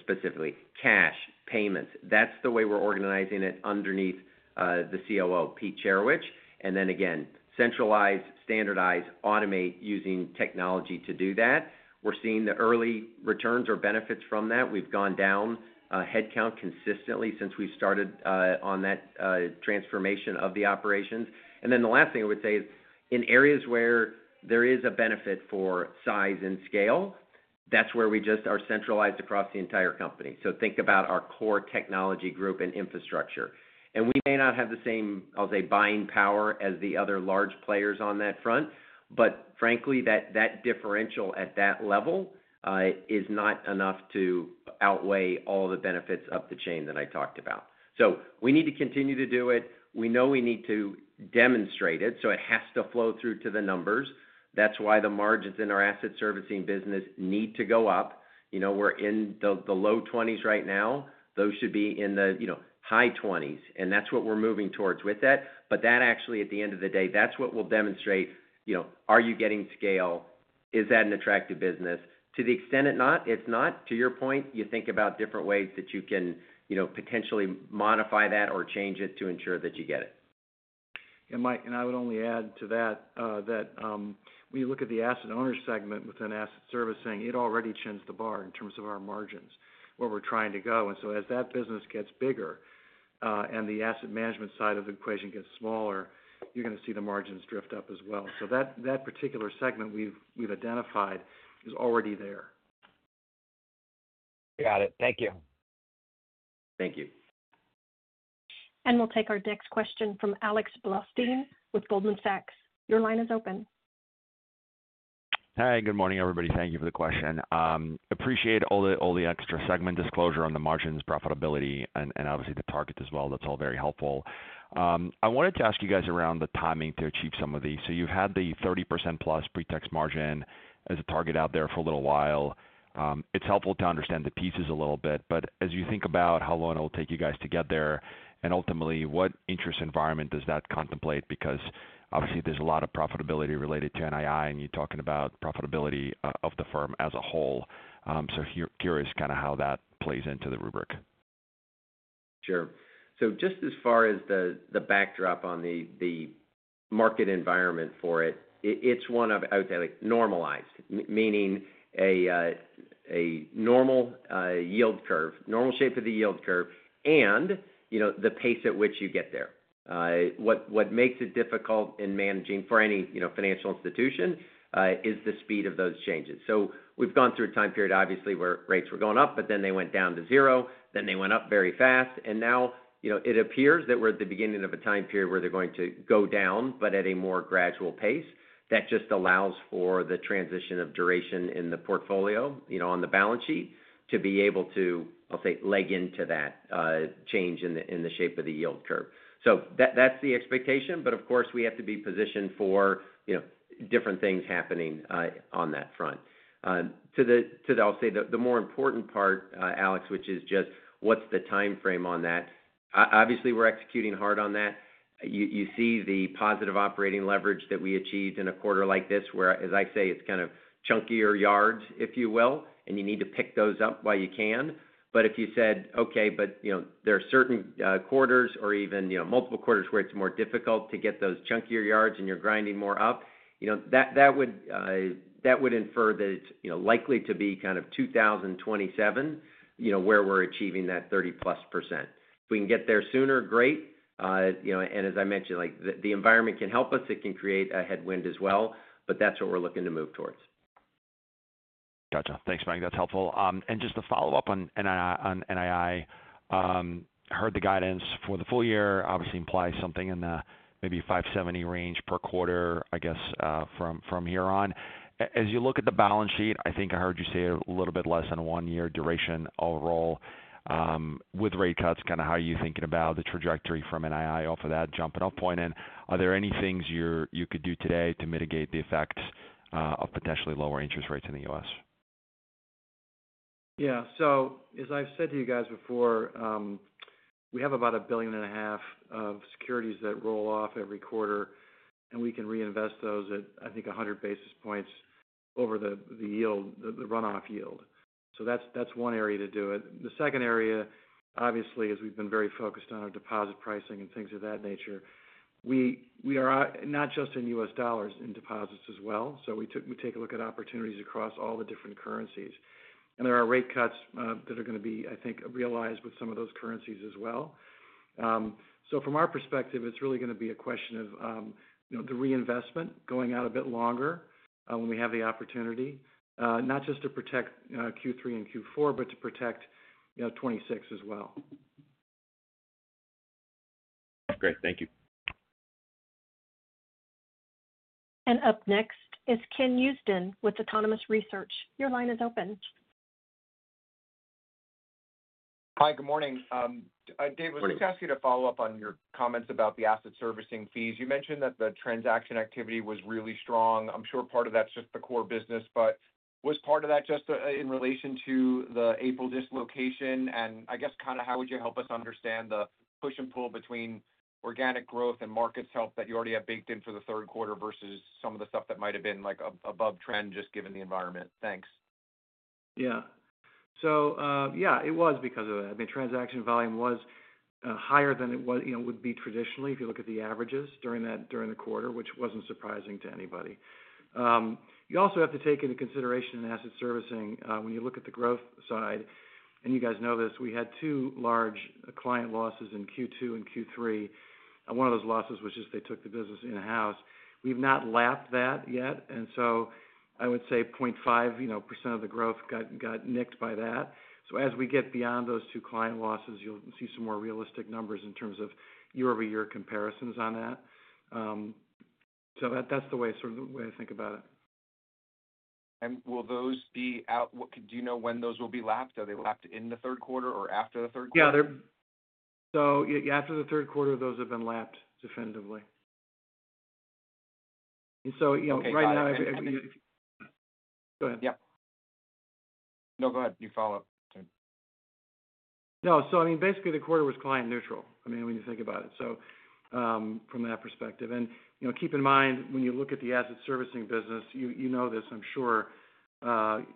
specifically cash, payments, that's the way we're organizing it underneath the COO, Peter Cherecwich. Then again, centralize, standardize, automate using technology to do that. We're seeing the early returns or benefits from that. We've gone down headcount consistently since we've started on that transformation of the operations. The last thing I would say is in areas where there is a benefit for size and scale, that's where we just are centralized across the entire company. Think about our core technology group and infrastructure. We may not have the same, I'll say, buying power as the other large players on that front, but frankly, that differential at that level is not enough to outweigh all the benefits of the chain that I talked about. We need to continue to do it. We know we need to demonstrate it. It has to flow through to the numbers. That is why the margins in our asset servicing business need to go up. We are in the low 20s right now. Those should be in the high 20s. That is what we are moving towards with that. At the end of the day, that is what will demonstrate. Are you getting scale? Is that an attractive business? To the extent it is not, to your point, you think about different ways that you can potentially modify that or change it to ensure that you get it. Yeah, Mike. I would only add to that that when you look at the asset owner segment within asset servicing, it already chins the bar in terms of our margins, where we are trying to go. As that business gets bigger and the asset management side of the equation gets smaller, you are going to see the margins drift up as well. That particular segment we have identified is already there. Got it. Thank you. Thank you. We will take our next question from Alex Blostein with Goldman Sachs. Your line is open. Hi. Good morning, everybody. Thank you for the question. Appreciate all the extra segment disclosure on the margins, profitability, and obviously the target as well. That is all very helpful. I wanted to ask you guys around the timing to achieve some of these. You have had the 30% plus pre-tax margin as a target out there for a little while. It is helpful to understand the pieces a little bit. As you think about how long it will take you guys to get there, and ultimately, what interest environment does that contemplate? Obviously, there is a lot of profitability related to NII, and you are talking about profitability of the firm as a whole. Curious kind of how that plays into the rubric. Sure. Just as far as the backdrop on the market environment for it, it is one of, I would say, normalized, meaning a normal yield curve, normal shape of the yield curve, and the pace at which you get there. What makes it difficult in managing for any financial institution is the speed of those changes. We have gone through a time period, obviously, where rates were going up, then they went down to zero, then they went up very fast. Now it appears that we are at the beginning of a time period where they are going to go down, but at a more gradual pace. That just allows for the transition of duration in the portfolio on the balance sheet to be able to, I will say, leg into that change in the shape of the yield curve. That is the expectation. Of course, we have to be positioned for different things happening on that front. To the, I will say, the more important part, Alex, which is just what is the timeframe on that? Obviously, we are executing hard on that. You see the positive operating leverage that we achieved in a quarter like this where, as I say, it's kind of chunkier yards, if you will, and you need to pick those up while you can. If you said, "Okay, but there are certain quarters or even multiple quarters where it's more difficult to get those chunkier yards and you're grinding more up," that would infer that it's likely to be kind of 2027 where we're achieving that 30+%. If we can get there sooner, great. As I mentioned, the environment can help us. It can create a headwind as well, but that's what we're looking to move towards. Gotcha. Thanks, Mike. That's helpful. Just to follow up on NII. Heard the guidance for the full year, obviously implies something in the maybe $570 million range per quarter, I guess, from here on. As you look at the balance sheet, I think I heard you say a little bit less than one-year duration overall. With rate cuts, kind of how are you thinking about the trajectory from NII off of that jumping-off point? Are there any things you could do today to mitigate the effects of potentially lower interest rates in the U.S.? Yeah. As I've said to you guys before, we have about $1.5 billion of securities that roll off every quarter, and we can reinvest those at, I think, 100 basis points over the runoff yield. That's one area to do it. The second area, obviously, as we've been very focused on our deposit pricing and things of that nature, we are not just in U.S. dollars in deposits as well. We take a look at opportunities across all the different currencies. There are rate cuts that are going to be, I think, realized with some of those currencies as well. From our perspective, it's really going to be a question of the reinvestment going out a bit longer when we have the opportunity, not just to protect Q3 and Q4, but to protect 2026 as well. Great. Thank you. Up next is Ken Houston with Autonomous Research. Your line is open. Hi, good morning. Dave, I was going to ask you to follow up on your comments about the asset servicing fees. You mentioned that the transaction activity was really strong. I'm sure part of that's just the core business, but was part of that just in relation to the April dislocation? I guess kind of how would you help us understand the push and pull between organic growth and markets' help that you already have baked in for the third quarter versus some of the stuff that might have been above trend, just given the environment? Thanks. Yeah. Yeah, it was because of that. I mean, transaction volume was higher than it would be traditionally if you look at the averages during the quarter, which wasn't surprising to anybody. You also have to take into consideration in asset servicing, when you look at the growth side, and you guys know this, we had two large client losses in Q2 and Q3. One of those losses was just they took the business in-house. We've not lapped that yet. I would say 0.5% of the growth got nicked by that. As we get beyond those two client losses, you'll see some more realistic numbers in terms of year-over-year comparisons on that. That's sort of the way I think about it. Will those be out? Do you know when those will be lapped? Are they lapped in the third quarter or after the third quarter? Yeah. After the third quarter, those have been lapped definitively. Right now. Go ahead. Yep. No, go ahead. You follow up. No. I mean, basically, the quarter was client neutral, I mean, when you think about it. From that perspective. Keep in mind, when you look at the asset servicing business, you know this, I'm sure.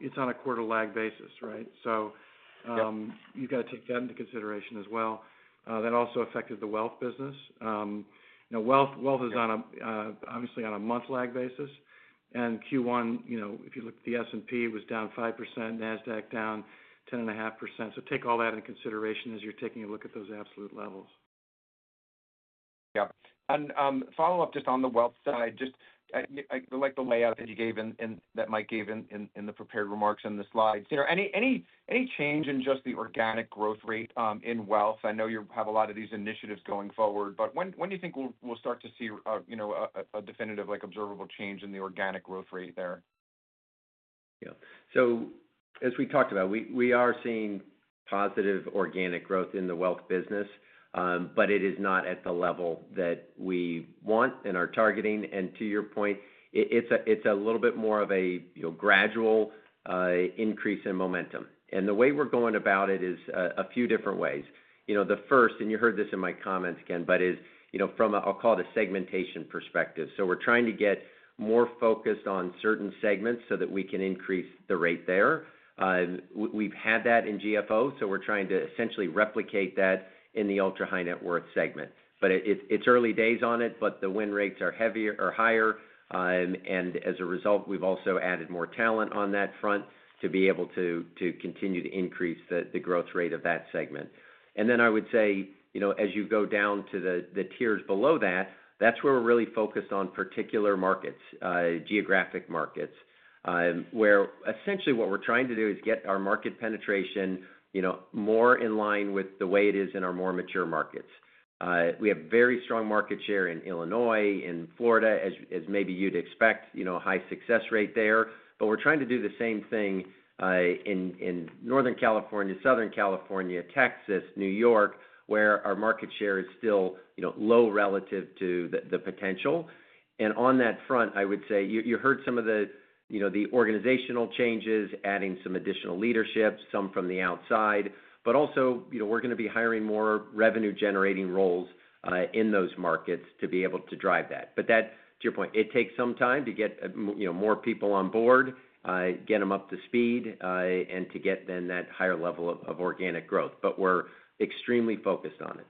It's on a quarter-lag basis, right? You've got to take that into consideration as well. That also affected the wealth business. Wealth is obviously on a month-lag basis. In Q1, if you look at the S&P, it was down 5%. NASDAQ down 10.5%. Take all that into consideration as you're taking a look at those absolute levels. Yep. Follow up just on the wealth side. I like the layout that you gave and that Mike gave in the prepared remarks and the slides. Any change in just the organic growth rate in wealth? I know you have a lot of these initiatives going forward, but when do you think we'll start to see a definitive observable change in the organic growth rate there? Yeah. As we talked about, we are seeing positive organic growth in the wealth business. It is not at the level that we want and are targeting. To your point, it's a little bit more of a gradual increase in momentum. The way we're going about it is a few different ways. The first, and you heard this in my comments again, is from, I'll call it, a segmentation perspective. We're trying to get more focused on certain segments so that we can increase the rate there. We've had that in GFO, so we're trying to essentially replicate that in the ultra-high net worth segment. It's early days on it, but the win rates are higher. As a result, we've also added more talent on that front to be able to continue to increase the growth rate of that segment. I would say as you go down to the tiers below that, that's where we're really focused on particular markets, geographic markets, where essentially what we're trying to do is get our market penetration. More in line with the way it is in our more mature markets. We have very strong market share in Illinois, in Florida, as maybe you'd expect, a high success rate there. We are trying to do the same thing in Northern California, Southern California, Texas, New York, where our market share is still low relative to the potential. On that front, I would say you heard some of the organizational changes, adding some additional leadership, some from the outside. We are going to be hiring more revenue-generating roles in those markets to be able to drive that. To your point, it takes some time to get more people on board, get them up to speed, and to get then that higher level of organic growth. We are extremely focused on it.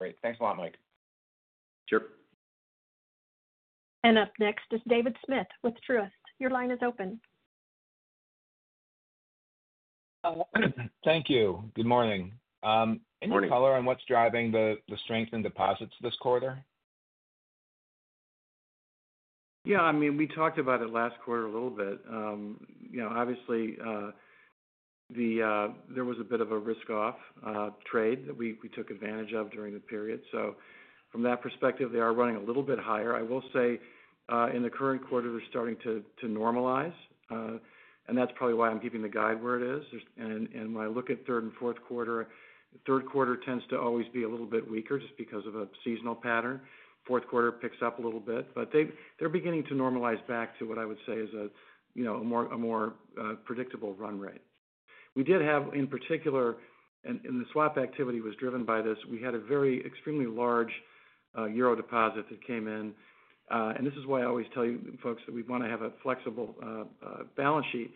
Great. Thanks a lot, Mike. Sure. Up next is David Smith with Truist. Your line is open. Thank you. Good morning. Good morning. Any color on what's driving the strength in deposits this quarter? Yeah. I mean, we talked about it last quarter a little bit. Obviously, there was a bit of a risk-off trade that we took advantage of during the period. From that perspective, they are running a little bit higher. I will say in the current quarter, they are starting to normalize, and that's probably why I'm giving the guide where it is. When I look at third and fourth quarter, third quarter tends to always be a little bit weaker just because of a seasonal pattern. Fourth quarter picks up a little bit. They are beginning to normalize back to what I would say is a more predictable run rate. We did have, in particular, and the swap activity was driven by this, we had a very extremely large euro deposit that came in. This is why I always tell you folks that we want to have a flexible balance sheet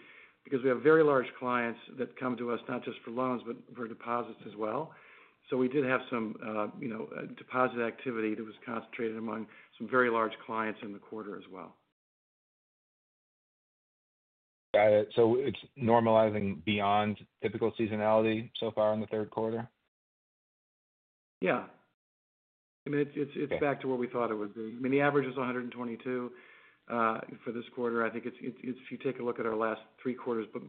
because we have very large clients that come to us not just for loans, but for deposits as well. We did have some deposit activity that was concentrated among some very large clients in the quarter as well. Got it. So it's normalizing beyond typical seasonality so far in the third quarter? Yeah. I mean, it's back to where we thought it would be. The average is 122 for this quarter. I think if you take a look at our last three quarters, but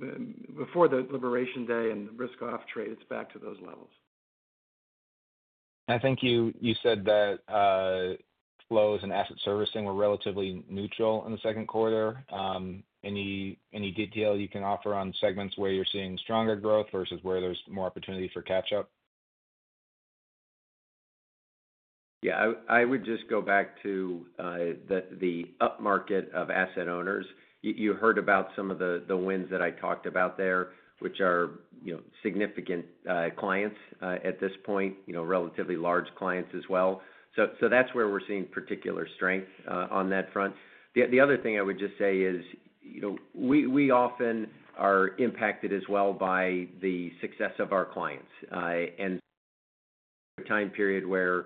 before the liberation day and risk-off trade, it's back to those levels. I think you said that flows in asset servicing were relatively neutral in the second quarter. Any detail you can offer on segments where you're seeing stronger growth versus where there's more opportunity for catch-up? Yeah. I would just go back to the upmarket of asset owners. You heard about some of the wins that I talked about there, which are significant clients at this point, relatively large clients as well. That's where we're seeing particular strength on that front. The other thing I would just say is we often are impacted as well by the success of our clients. In a time period where,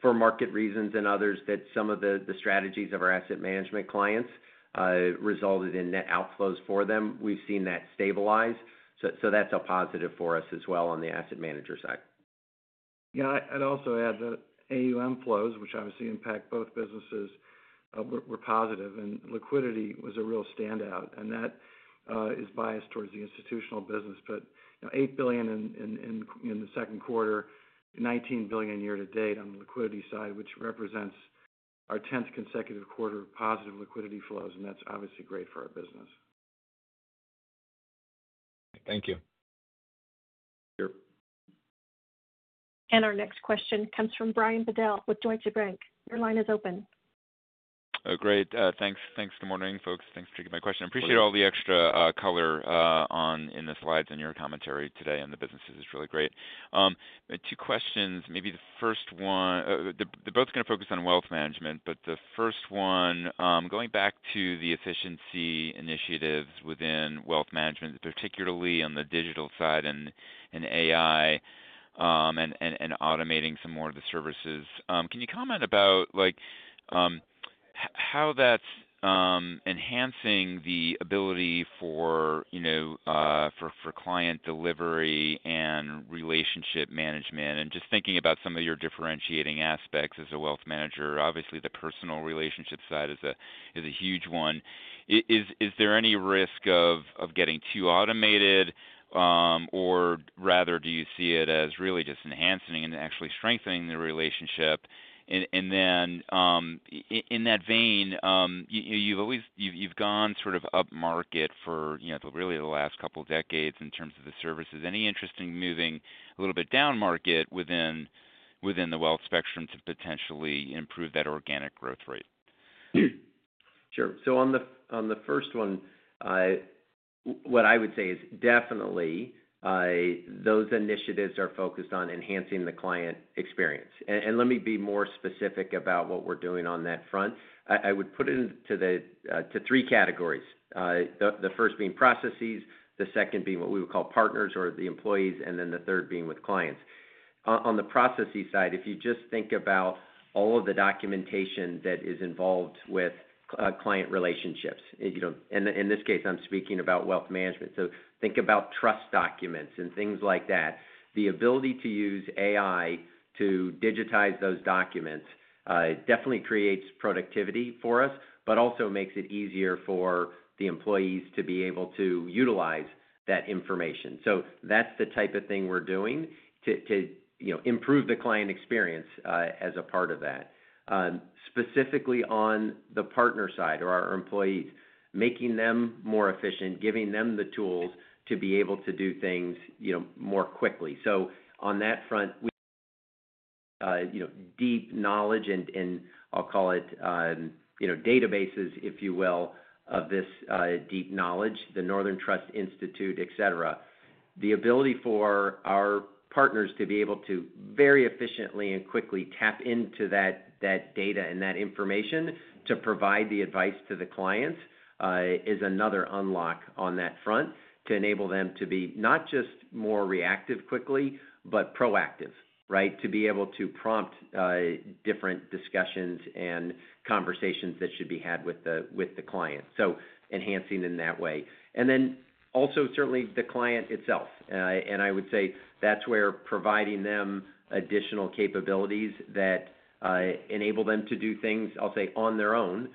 for market reasons and others, some of the strategies of our asset management clients resulted in net outflows for them, we've seen that stabilize. That's a positive for us as well on the asset manager side. Yeah. I'd also add that AUM flows, which obviously impact both businesses, were positive. Liquidity was a real standout, and that is biased towards the institutional business. $8 billion in the second quarter, $19 billion year to date on the liquidity side, which represents our 10th consecutive quarter of positive liquidity flows. That's obviously great for our business. Thank you. Sure. Our next question comes from Brian Bedell with Deutsche Bank. Your line is open. Great. Thanks. Good morning, folks. Thanks for taking my question. I appreciate all the extra color in the slides and your commentary today on the businesses. It's really great. Two questions. Maybe the first one, they're both going to focus on wealth management, but the first one, going back to the efficiency initiatives within wealth management, particularly on the digital side and AI, and automating some more of the services. Can you comment about how that's enhancing the ability for client delivery and relationship management? Just thinking about some of your differentiating aspects as a wealth manager, obviously the personal relationship side is a huge one. Is there any risk of getting too automated, or rather do you see it as really just enhancing and actually strengthening the relationship? In that vein, you've gone sort of upmarket for really the last couple of decades in terms of the services. Any interest in moving a little bit downmarket within the wealth spectrum to potentially improve that organic growth rate? Sure. On the first one, what I would say is definitely those initiatives are focused on enhancing the client experience. Let me be more specific about what we're doing on that front. I would put it into three categories. The first being processes, the second being what we would call partners or the employees, and then the third being with clients. On the processes side, if you just think about all of the documentation that is involved with client relationships, and in this case, I'm speaking about wealth management, so think about trust documents and things like that, the ability to use AI to digitize those documents definitely creates productivity for us, but also makes it easier for the employees to be able to utilize that information. That's the type of thing we're doing to improve the client experience as a part of that. Specifically on the partner side or our employees, making them more efficient, giving them the tools to be able to do things more quickly. On that front. Deep knowledge, and I'll call it databases, if you will, of this deep knowledge, the Northern Trust Institute, etc., the ability for our partners to be able to very efficiently and quickly tap into that data and that information to provide the advice to the clients is another unlock on that front to enable them to be not just more reactive quickly, but proactive, right? To be able to prompt different discussions and conversations that should be had with the client. Enhancing in that way. Certainly the client itself, and I would say that's where providing them additional capabilities that enable them to do things, I'll say on their own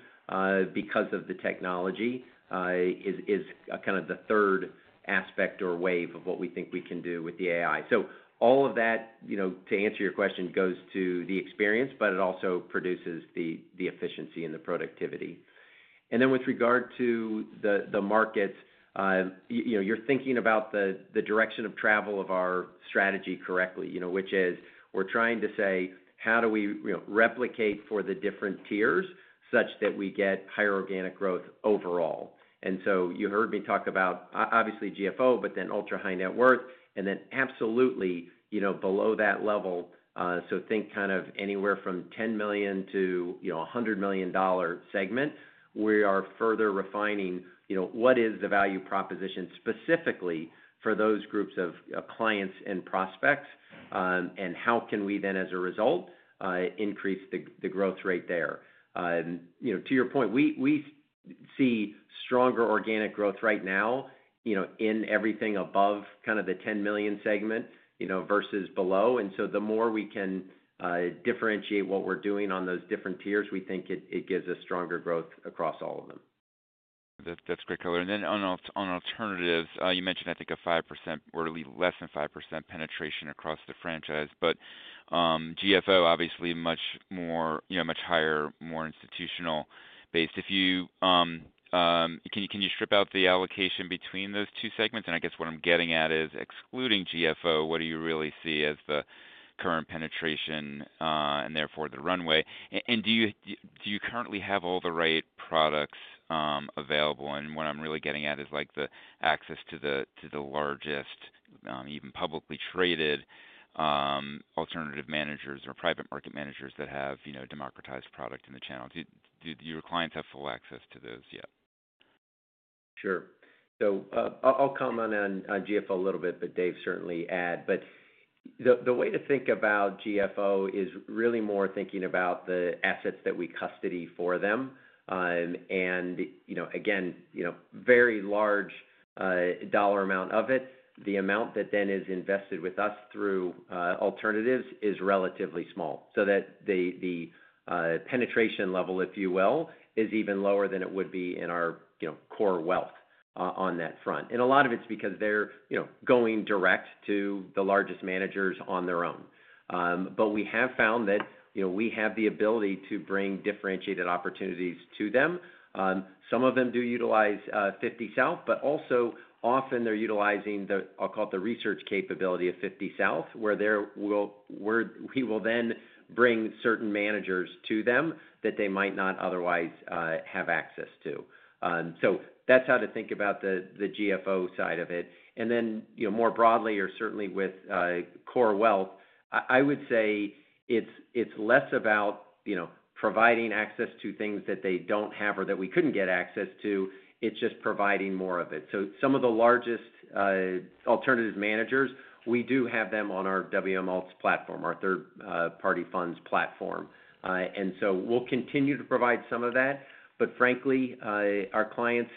because of the technology, is kind of the third aspect or wave of what we think we can do with the AI. All of that, to answer your question, goes to the experience, but it also produces the efficiency and the productivity. With regard to the markets, you're thinking about the direction of travel of our strategy correctly, which is we're trying to say, how do we replicate for the different tiers such that we get higher organic growth overall? You heard me talk about, obviously, GFO, but then ultra-high net worth, and then absolutely below that level. Think kind of anywhere from $10 million-$100 million segment. We are further refining what is the value proposition specifically for those groups of clients and prospects, and how can we then, as a result, increase the growth rate there? To your point, we see stronger organic growth right now in everything above kind of the $10 million segment versus below. The more we can differentiate what we're doing on those different tiers, we think it gives us stronger growth across all of them. That's great color. On alternatives, you mentioned, I think, a 5%, or at least less than 5% penetration across the franchise. GFO, obviously, much more, much higher, more institutional based. If you can, can you strip out the allocation between those two segments? I guess what I'm getting at is, excluding GFO, what do you really see as the current penetration and therefore the runway? Do you currently have all the right products available? What I'm really getting at is the access to the largest, even publicly traded alternative managers or private market managers that have democratized product in the channel. Do your clients have full access to those yet? Sure. I'll comment on GFO a little bit, but Dave certainly adds. The way to think about GFO is really more thinking about the assets that we custody for them. Again, very large dollar amount of it. The amount that then is invested with us through alternatives is relatively small, so the penetration level, if you will, is even lower than it would be in our core wealth on that front. A lot of it's because they're going direct to the largest managers on their own. We have found that we have the ability to bring differentiated opportunities to them. Some of them do utilize 50 South, but also often they're utilizing the, I'll call it the research capability of 50 South, where we will then bring certain managers to them that they might not otherwise have access to. That's how to think about the GFO side of it. More broadly, or certainly with core wealth, I would say it's less about providing access to things that they don't have or that we couldn't get access to. It's just providing more of it. Some of the largest alternative managers, we do have them on our WM Alts platform, our third-party funds platform. We'll continue to provide some of that. Frankly, our clients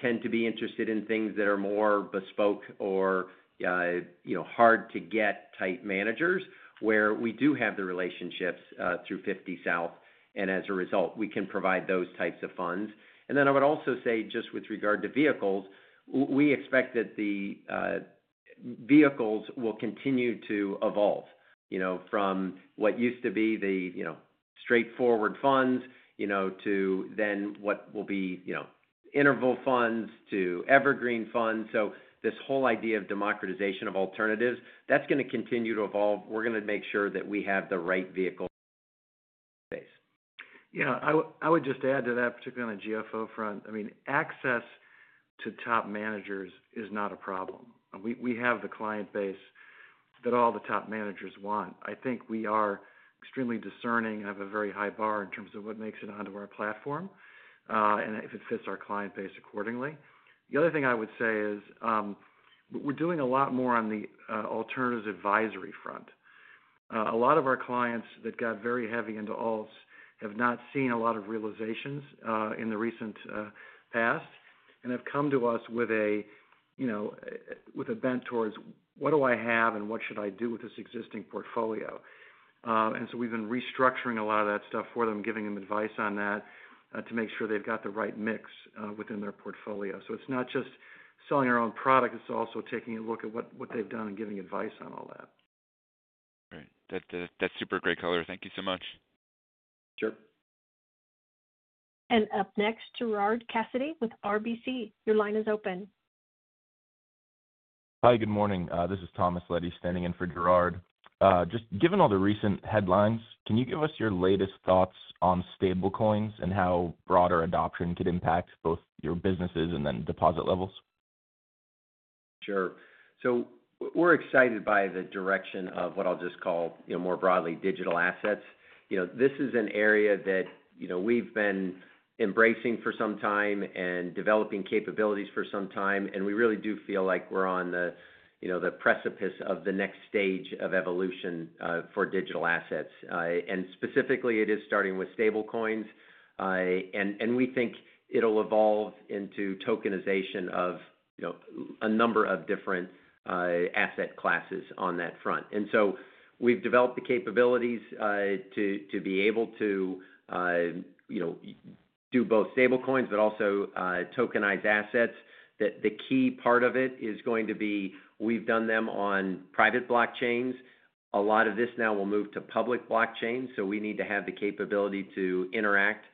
tend to be interested in things that are more bespoke or hard-to-get type managers, where we do have the relationships through 50 South. As a result, we can provide those types of funds. I would also say, just with regard to vehicles, we expect that the vehicles will continue to evolve from what used to be the straightforward funds to then what will be interval funds to evergreen funds. This whole idea of democratization of alternatives, that's going to continue to evolve. We're going to make sure that we have the right vehicles. Base. Yeah. I would just add to that, particularly on the GFO front. I mean, access to top managers is not a problem. We have the client base that all the top managers want. I think we are extremely discerning and have a very high bar in terms of what makes it onto our platform. If it fits our client base accordingly. The other thing I would say is we're doing a lot more on the alternative advisory front. A lot of our clients that got very heavy into Alts have not seen a lot of realizations in the recent past and have come to us with a bent towards, "What do I have and what should I do with this existing portfolio?" We've been restructuring a lot of that stuff for them, giving them advice on that to make sure they've got the right mix within their portfolio. It's not just selling our own product. It's also taking a look at what they've done and giving advice on all that. Right. That's super great color. Thank you so much. Sure. Up next, Gerard Cassidy with RBC. Your line is open. Hi. Good morning. This is Thomas Leddy standing in for Gerard. Just given all the recent headlines, can you give us your latest thoughts on stablecoins and how broader adoption could impact both your businesses and then deposit levels? Sure. We're excited by the direction of what I'll just call more broadly digital assets. This is an area that we've been embracing for some time and developing capabilities for some time. We really do feel like we're on the precipice of the next stage of evolution for digital assets. Specifically, it is starting with stablecoins. We think it'll evolve into tokenization of a number of different asset classes on that front. We've developed the capabilities to be able to do both stablecoins but also tokenize assets. The key part of it is going to be we've done them on private blockchains. A lot of this now will move to public blockchains. We need to have the capability to interact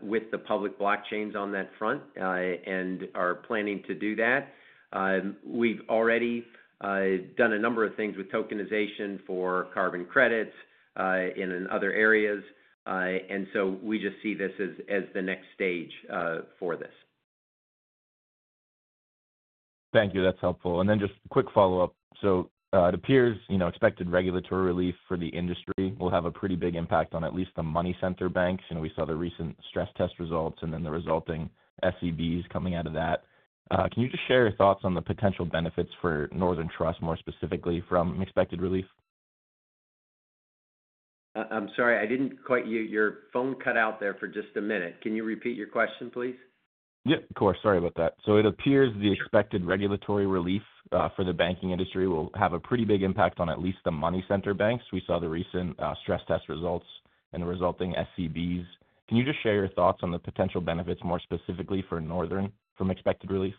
with the public blockchains on that front and are planning to do that. We've already done a number of things with tokenization for carbon credits in other areas. We just see this as the next stage for this. Thank you. That's helpful. And then just a quick follow-up. It appears expected regulatory relief for the industry will have a pretty big impact on at least the money center banks. We saw the recent stress test results and then the resulting SEBs coming out of that. Can you just share your thoughts on the potential benefits for Northern Trust, more specifically, from expected relief? I'm sorry. Your phone cut out there for just a minute. Can you repeat your question, please? Yeah. Of course. Sorry about that. It appears the expected regulatory relief for the banking industry will have a pretty big impact on at least the money center banks. We saw the recent stress test results and the resulting SEBs. Can you just share your thoughts on the potential benefits, more specifically for Northern, from expected relief?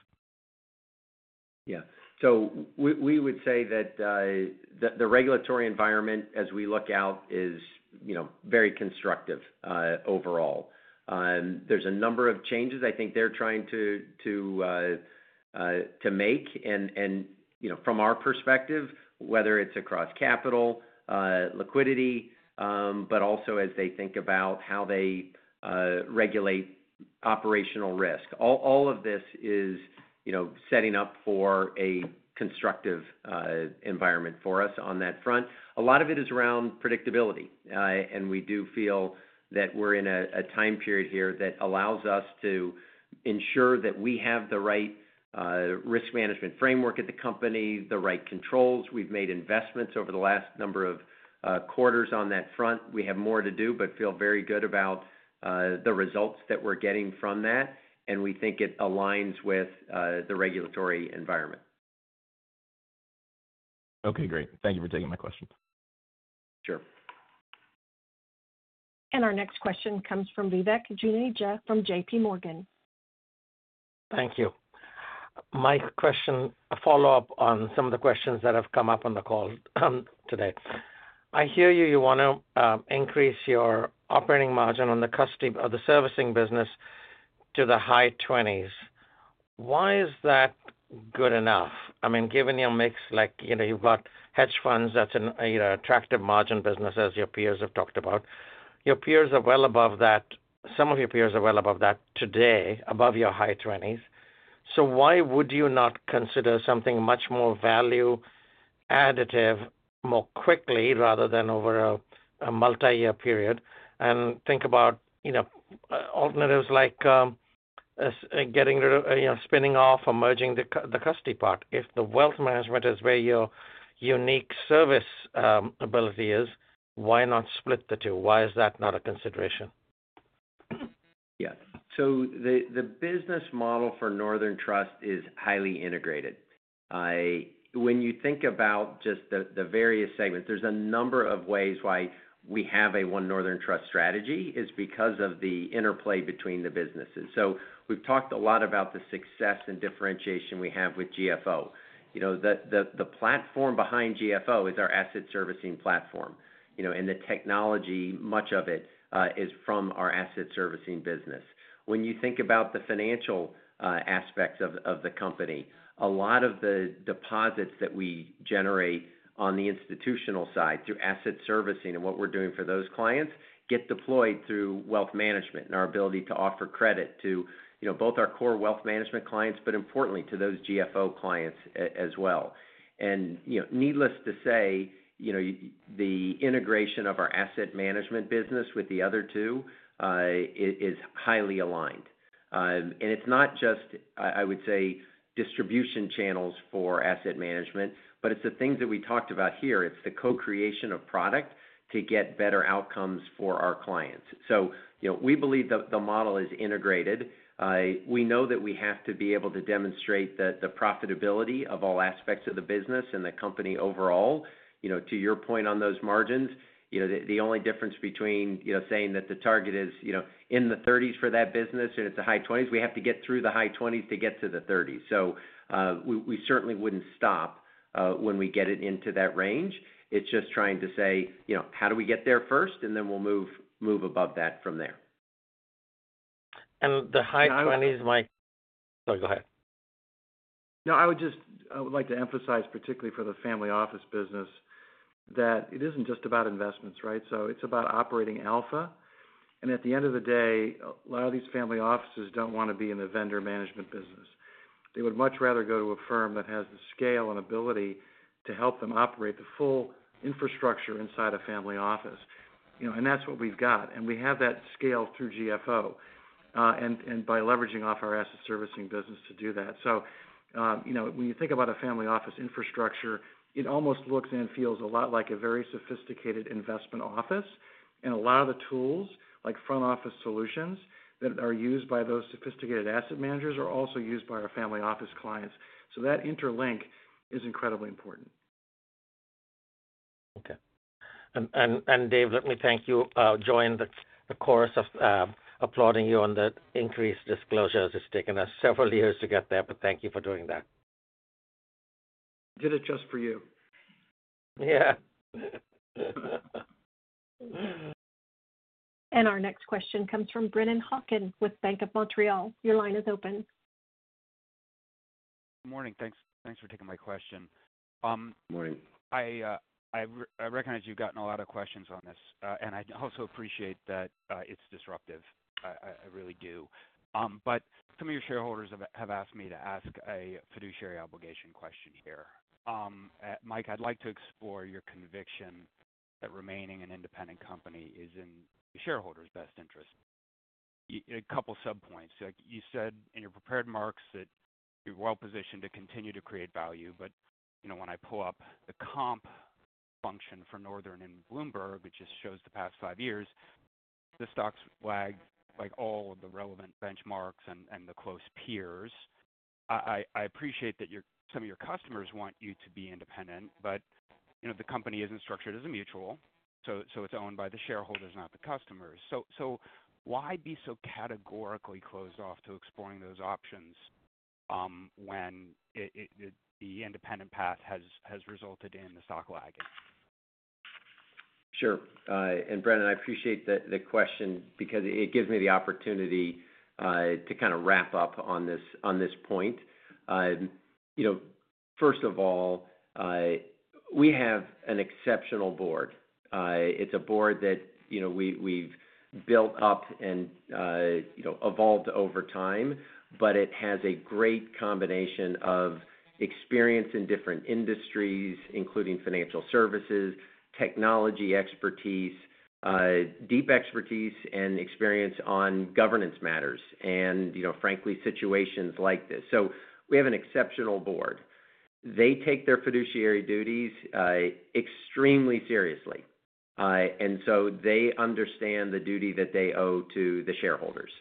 Yeah. We would say that the regulatory environment, as we look out, is very constructive overall. There's a number of changes I think they're trying to make. From our perspective, whether it's across capital, liquidity, but also as they think about how they regulate operational risk. All of this is setting up for a constructive environment for us on that front. A lot of it is around predictability. We do feel that we're in a time period here that allows us to ensure that we have the right risk management framework at the company, the right controls. We've made investments over the last number of quarters on that front. We have more to do, but feel very good about the results that we're getting from that. We think it aligns with the regulatory environment. Okay. Great. Thank you for taking my questions. Sure. Our next question comes from Vivek Juneja from J.P. Morgan. Thank you. My question, a follow-up on some of the questions that have come up on the call today. I hear you. You want to increase your operating margin on the servicing business to the high 20s. Why is that good enough? I mean, given your mix, you've got hedge funds. That's an attractive margin business, as your peers have talked about. Your peers are well above that. Some of your peers are well above that today, above your high 20s. Why would you not consider something much more value-additive more quickly rather than over a multi-year period? And think about alternatives like getting rid of, spinning off, or merging the custody part. If the wealth management is where your unique service ability is, why not split the two? Why is that not a consideration? Yeah. The business model for Northern Trust is highly integrated. When you think about just the various segments, there are a number of ways why we have a One Northern Trust strategy, because of the interplay between the businesses. We've talked a lot about the success and differentiation we have with GFO. The platform behind GFO is our asset servicing platform. The technology, much of it, is from our asset servicing business. When you think about the financial aspects of the company, a lot of the deposits that we generate on the institutional side through asset servicing and what we're doing for those clients get deployed through wealth management and our ability to offer credit to both our core wealth management clients, but importantly, to those GFO clients as well. Needless to say, the integration of our asset management business with the other two is highly aligned. It's not just, I would say, distribution channels for asset management, but it's the things that we talked about here. It's the co-creation of product to get better outcomes for our clients. We believe the model is integrated. We know that we have to be able to demonstrate the profitability of all aspects of the business and the company overall. To your point on those margins, the only difference between saying that the target is in the 30s for that business and it's the high 20s, we have to get through the high 20s to get to the 30s. We certainly wouldn't stop when we get it into that range. It's just trying to say, "How do we get there first?" And then we'll move above that from there. The high 20s might—sorry, go ahead. No, I would just like to emphasize, particularly for the family office business, that it isn't just about investments, right? It's about operating alpha. At the end of the day, a lot of these family offices don't want to be in the vendor management business. They would much rather go to a firm that has the scale and ability to help them operate the full infrastructure inside a family office. That's what we've got. We have that scale through GFO and by leveraging off our asset servicing business to do that. When you think about a family office infrastructure, it almost looks and feels a lot like a very sophisticated investment office. And a lot of the tools, like front office solutions that are used by those sophisticated asset managers, are also used by our family office clients. That interlink is incredibly important. Okay. Dave, let me thank you. I'll join the chorus of applauding you on the increased disclosure. It's taken us several years to get there, but thank you for doing that. Did it just for you? Yeah. Our next question comes from Brennan Hawken with Bank of Montreal. Your line is open. Good morning. Thanks for taking my question. Good morning. I recognize you've gotten a lot of questions on this. I also appreciate that it's disruptive. I really do. Some of your shareholders have asked me to ask a fiduciary obligation question here. Mike, I'd like to explore your conviction that remaining an independent company is in the shareholders' best interest. A couple of subpoints. You said in your prepared marks that you're well positioned to continue to create value. When I pull up the comp function for Northern and Bloomberg, it just shows the past five years, the stock's lagged all of the relevant benchmarks and the close peers. I appreciate that some of your customers want you to be independent, but the company isn't structured as a mutual. It's owned by the shareholders, not the customers. Why be so categorically closed off to exploring those options when the independent path has resulted in the stock lagging? Sure. Brennan, I appreciate the question because it gives me the opportunity to kind of wrap up on this point. First of all, we have an exceptional board. It's a board that we've built up and evolved over time, but it has a great combination of experience in different industries, including financial services, technology expertise, deep expertise, and experience on governance matters and, frankly, situations like this. We have an exceptional board. They take their fiduciary duties extremely seriously. They understand the duty that they owe to the shareholders.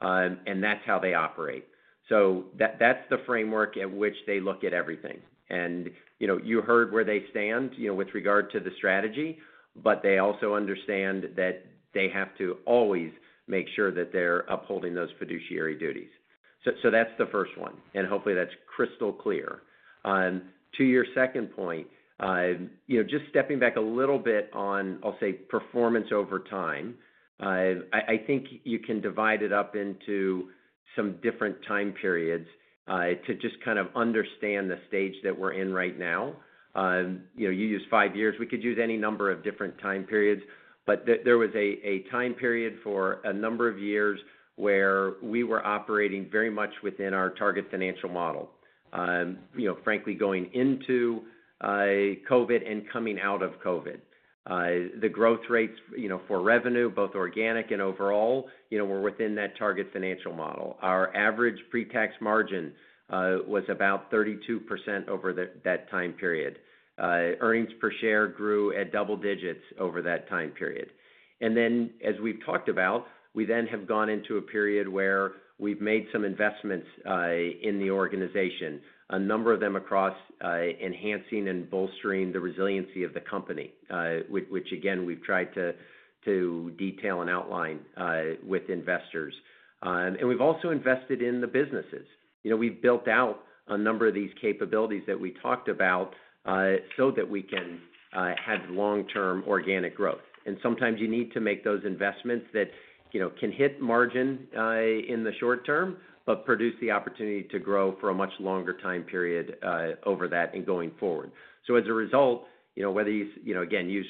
That's how they operate. That's the framework at which they look at everything. You heard where they stand with regard to the strategy, but they also understand that they have to always make sure that they're upholding those fiduciary duties. That's the first one. Hopefully, that's crystal clear. To your second point, just stepping back a little bit on, I'll say, performance over time, I think you can divide it up into some different time periods to just kind of understand the stage that we're in right now. You use five years. We could use any number of different time periods. There was a time period for a number of years where we were operating very much within our target financial model. Frankly, going into COVID and coming out of COVID. The growth rates for revenue, both organic and overall, were within that target financial model. Our average pre-tax margin was about 32% over that time period. Earnings per share grew at double digits over that time period. As we have talked about, we then have gone into a period where we have made some investments in the organization, a number of them across enhancing and bolstering the resiliency of the company, which, again, we have tried to detail and outline with investors. We have also invested in the businesses. We have built out a number of these capabilities that we talked about so that we can have long-term organic growth. Sometimes you need to make those investments that can hit margin in the short term but produce the opportunity to grow for a much longer time period over that and going forward. As a result, whether you, again, use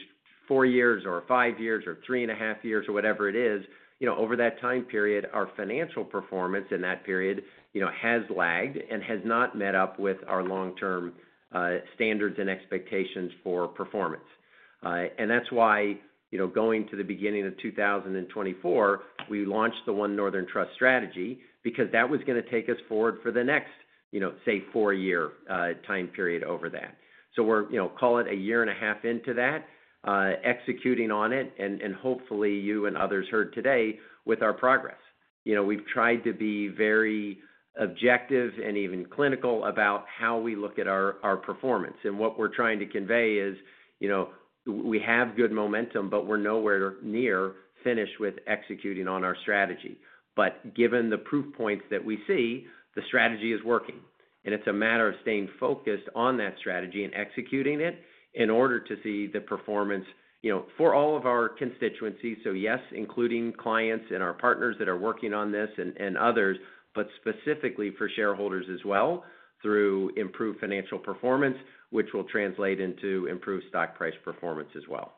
four years or five years or three and a half years or whatever it is, over that time period, our financial performance in that period has lagged and has not met up with our long-term standards and expectations for performance. That is why, going to the beginning of 2024, we launched the One Northern Trust strategy because that was going to take us forward for the next, say, four-year time period over that. We are, call it, a year and a half into that, executing on it. Hopefully, you and others heard today with our progress. We have tried to be very objective and even clinical about how we look at our performance. What we are trying to convey is we have good momentum, but we are nowhere near finished with executing on our strategy. Given the proof points that we see, the strategy is working. It is a matter of staying focused on that strategy and executing it in order to see the performance for all of our constituencies. Yes, including clients and our partners that are working on this and others, but specifically for shareholders as well through improved financial performance, which will translate into improved stock price performance as well.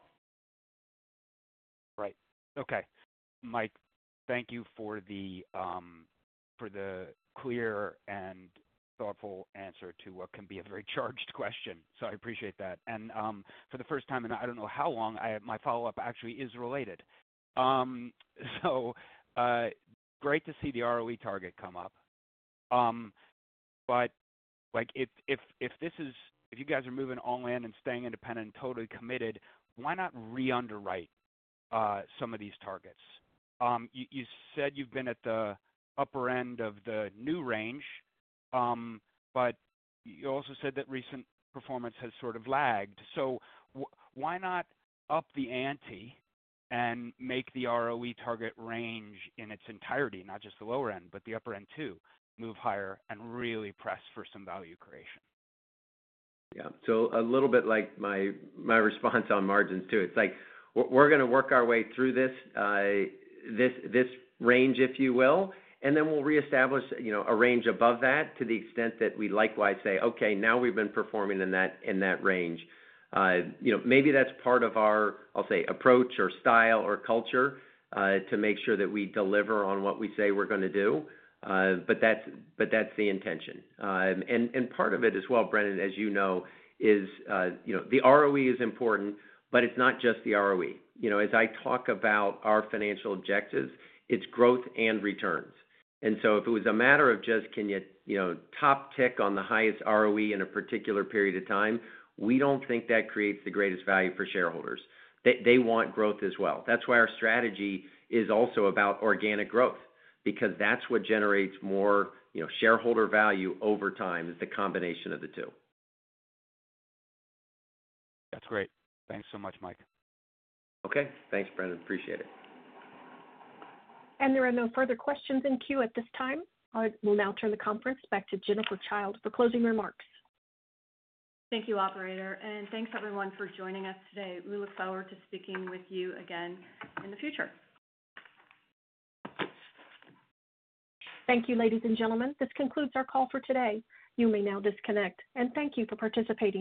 Right. Okay. Mike, thank you for the clear and thoughtful answer to what can be a very charged question. I appreciate that. For the first time in I do not know how long, my follow-up actually is related. Great to see the ROE target come up. If you guys are moving online and staying independent and totally committed, why not re-underwrite some of these targets? You said you have been at the upper end of the new range. You also said that recent performance has sort of lagged. Why not up the ante and make the ROE target range in its entirety, not just the lower end, but the upper end too, move higher and really press for some value creation? Yeah. A little bit like my response on margins too. It is like we are going to work our way through this. This range, if you will, and then we'll reestablish a range above that to the extent that we likewise say, "Okay, now we've been performing in that range." Maybe that's part of our, I'll say, approach or style or culture to make sure that we deliver on what we say we're going to do. That is the intention. Part of it as well, Brennan, as you know, is the ROE is important, but it's not just the ROE. As I talk about our financial objectives, it's growth and returns. If it was a matter of just, "Can you top tick on the highest ROE in a particular period of time?" we don't think that creates the greatest value for shareholders. They want growth as well. That is why our strategy is also about organic growth because that is what generates more shareholder value over time, the combination of the two. That's great. Thanks so much, Mike. Okay. Thanks, Brennan. Appreciate it. There are no further questions in queue at this time. I will now turn the conference back to Jennifer Childe for closing remarks. Thank you, Operator. Thanks, everyone, for joining us today. We look forward to speaking with you again in the future. Thank you, ladies and gentlemen. This concludes our call for today. You may now disconnect. Thank you for participating.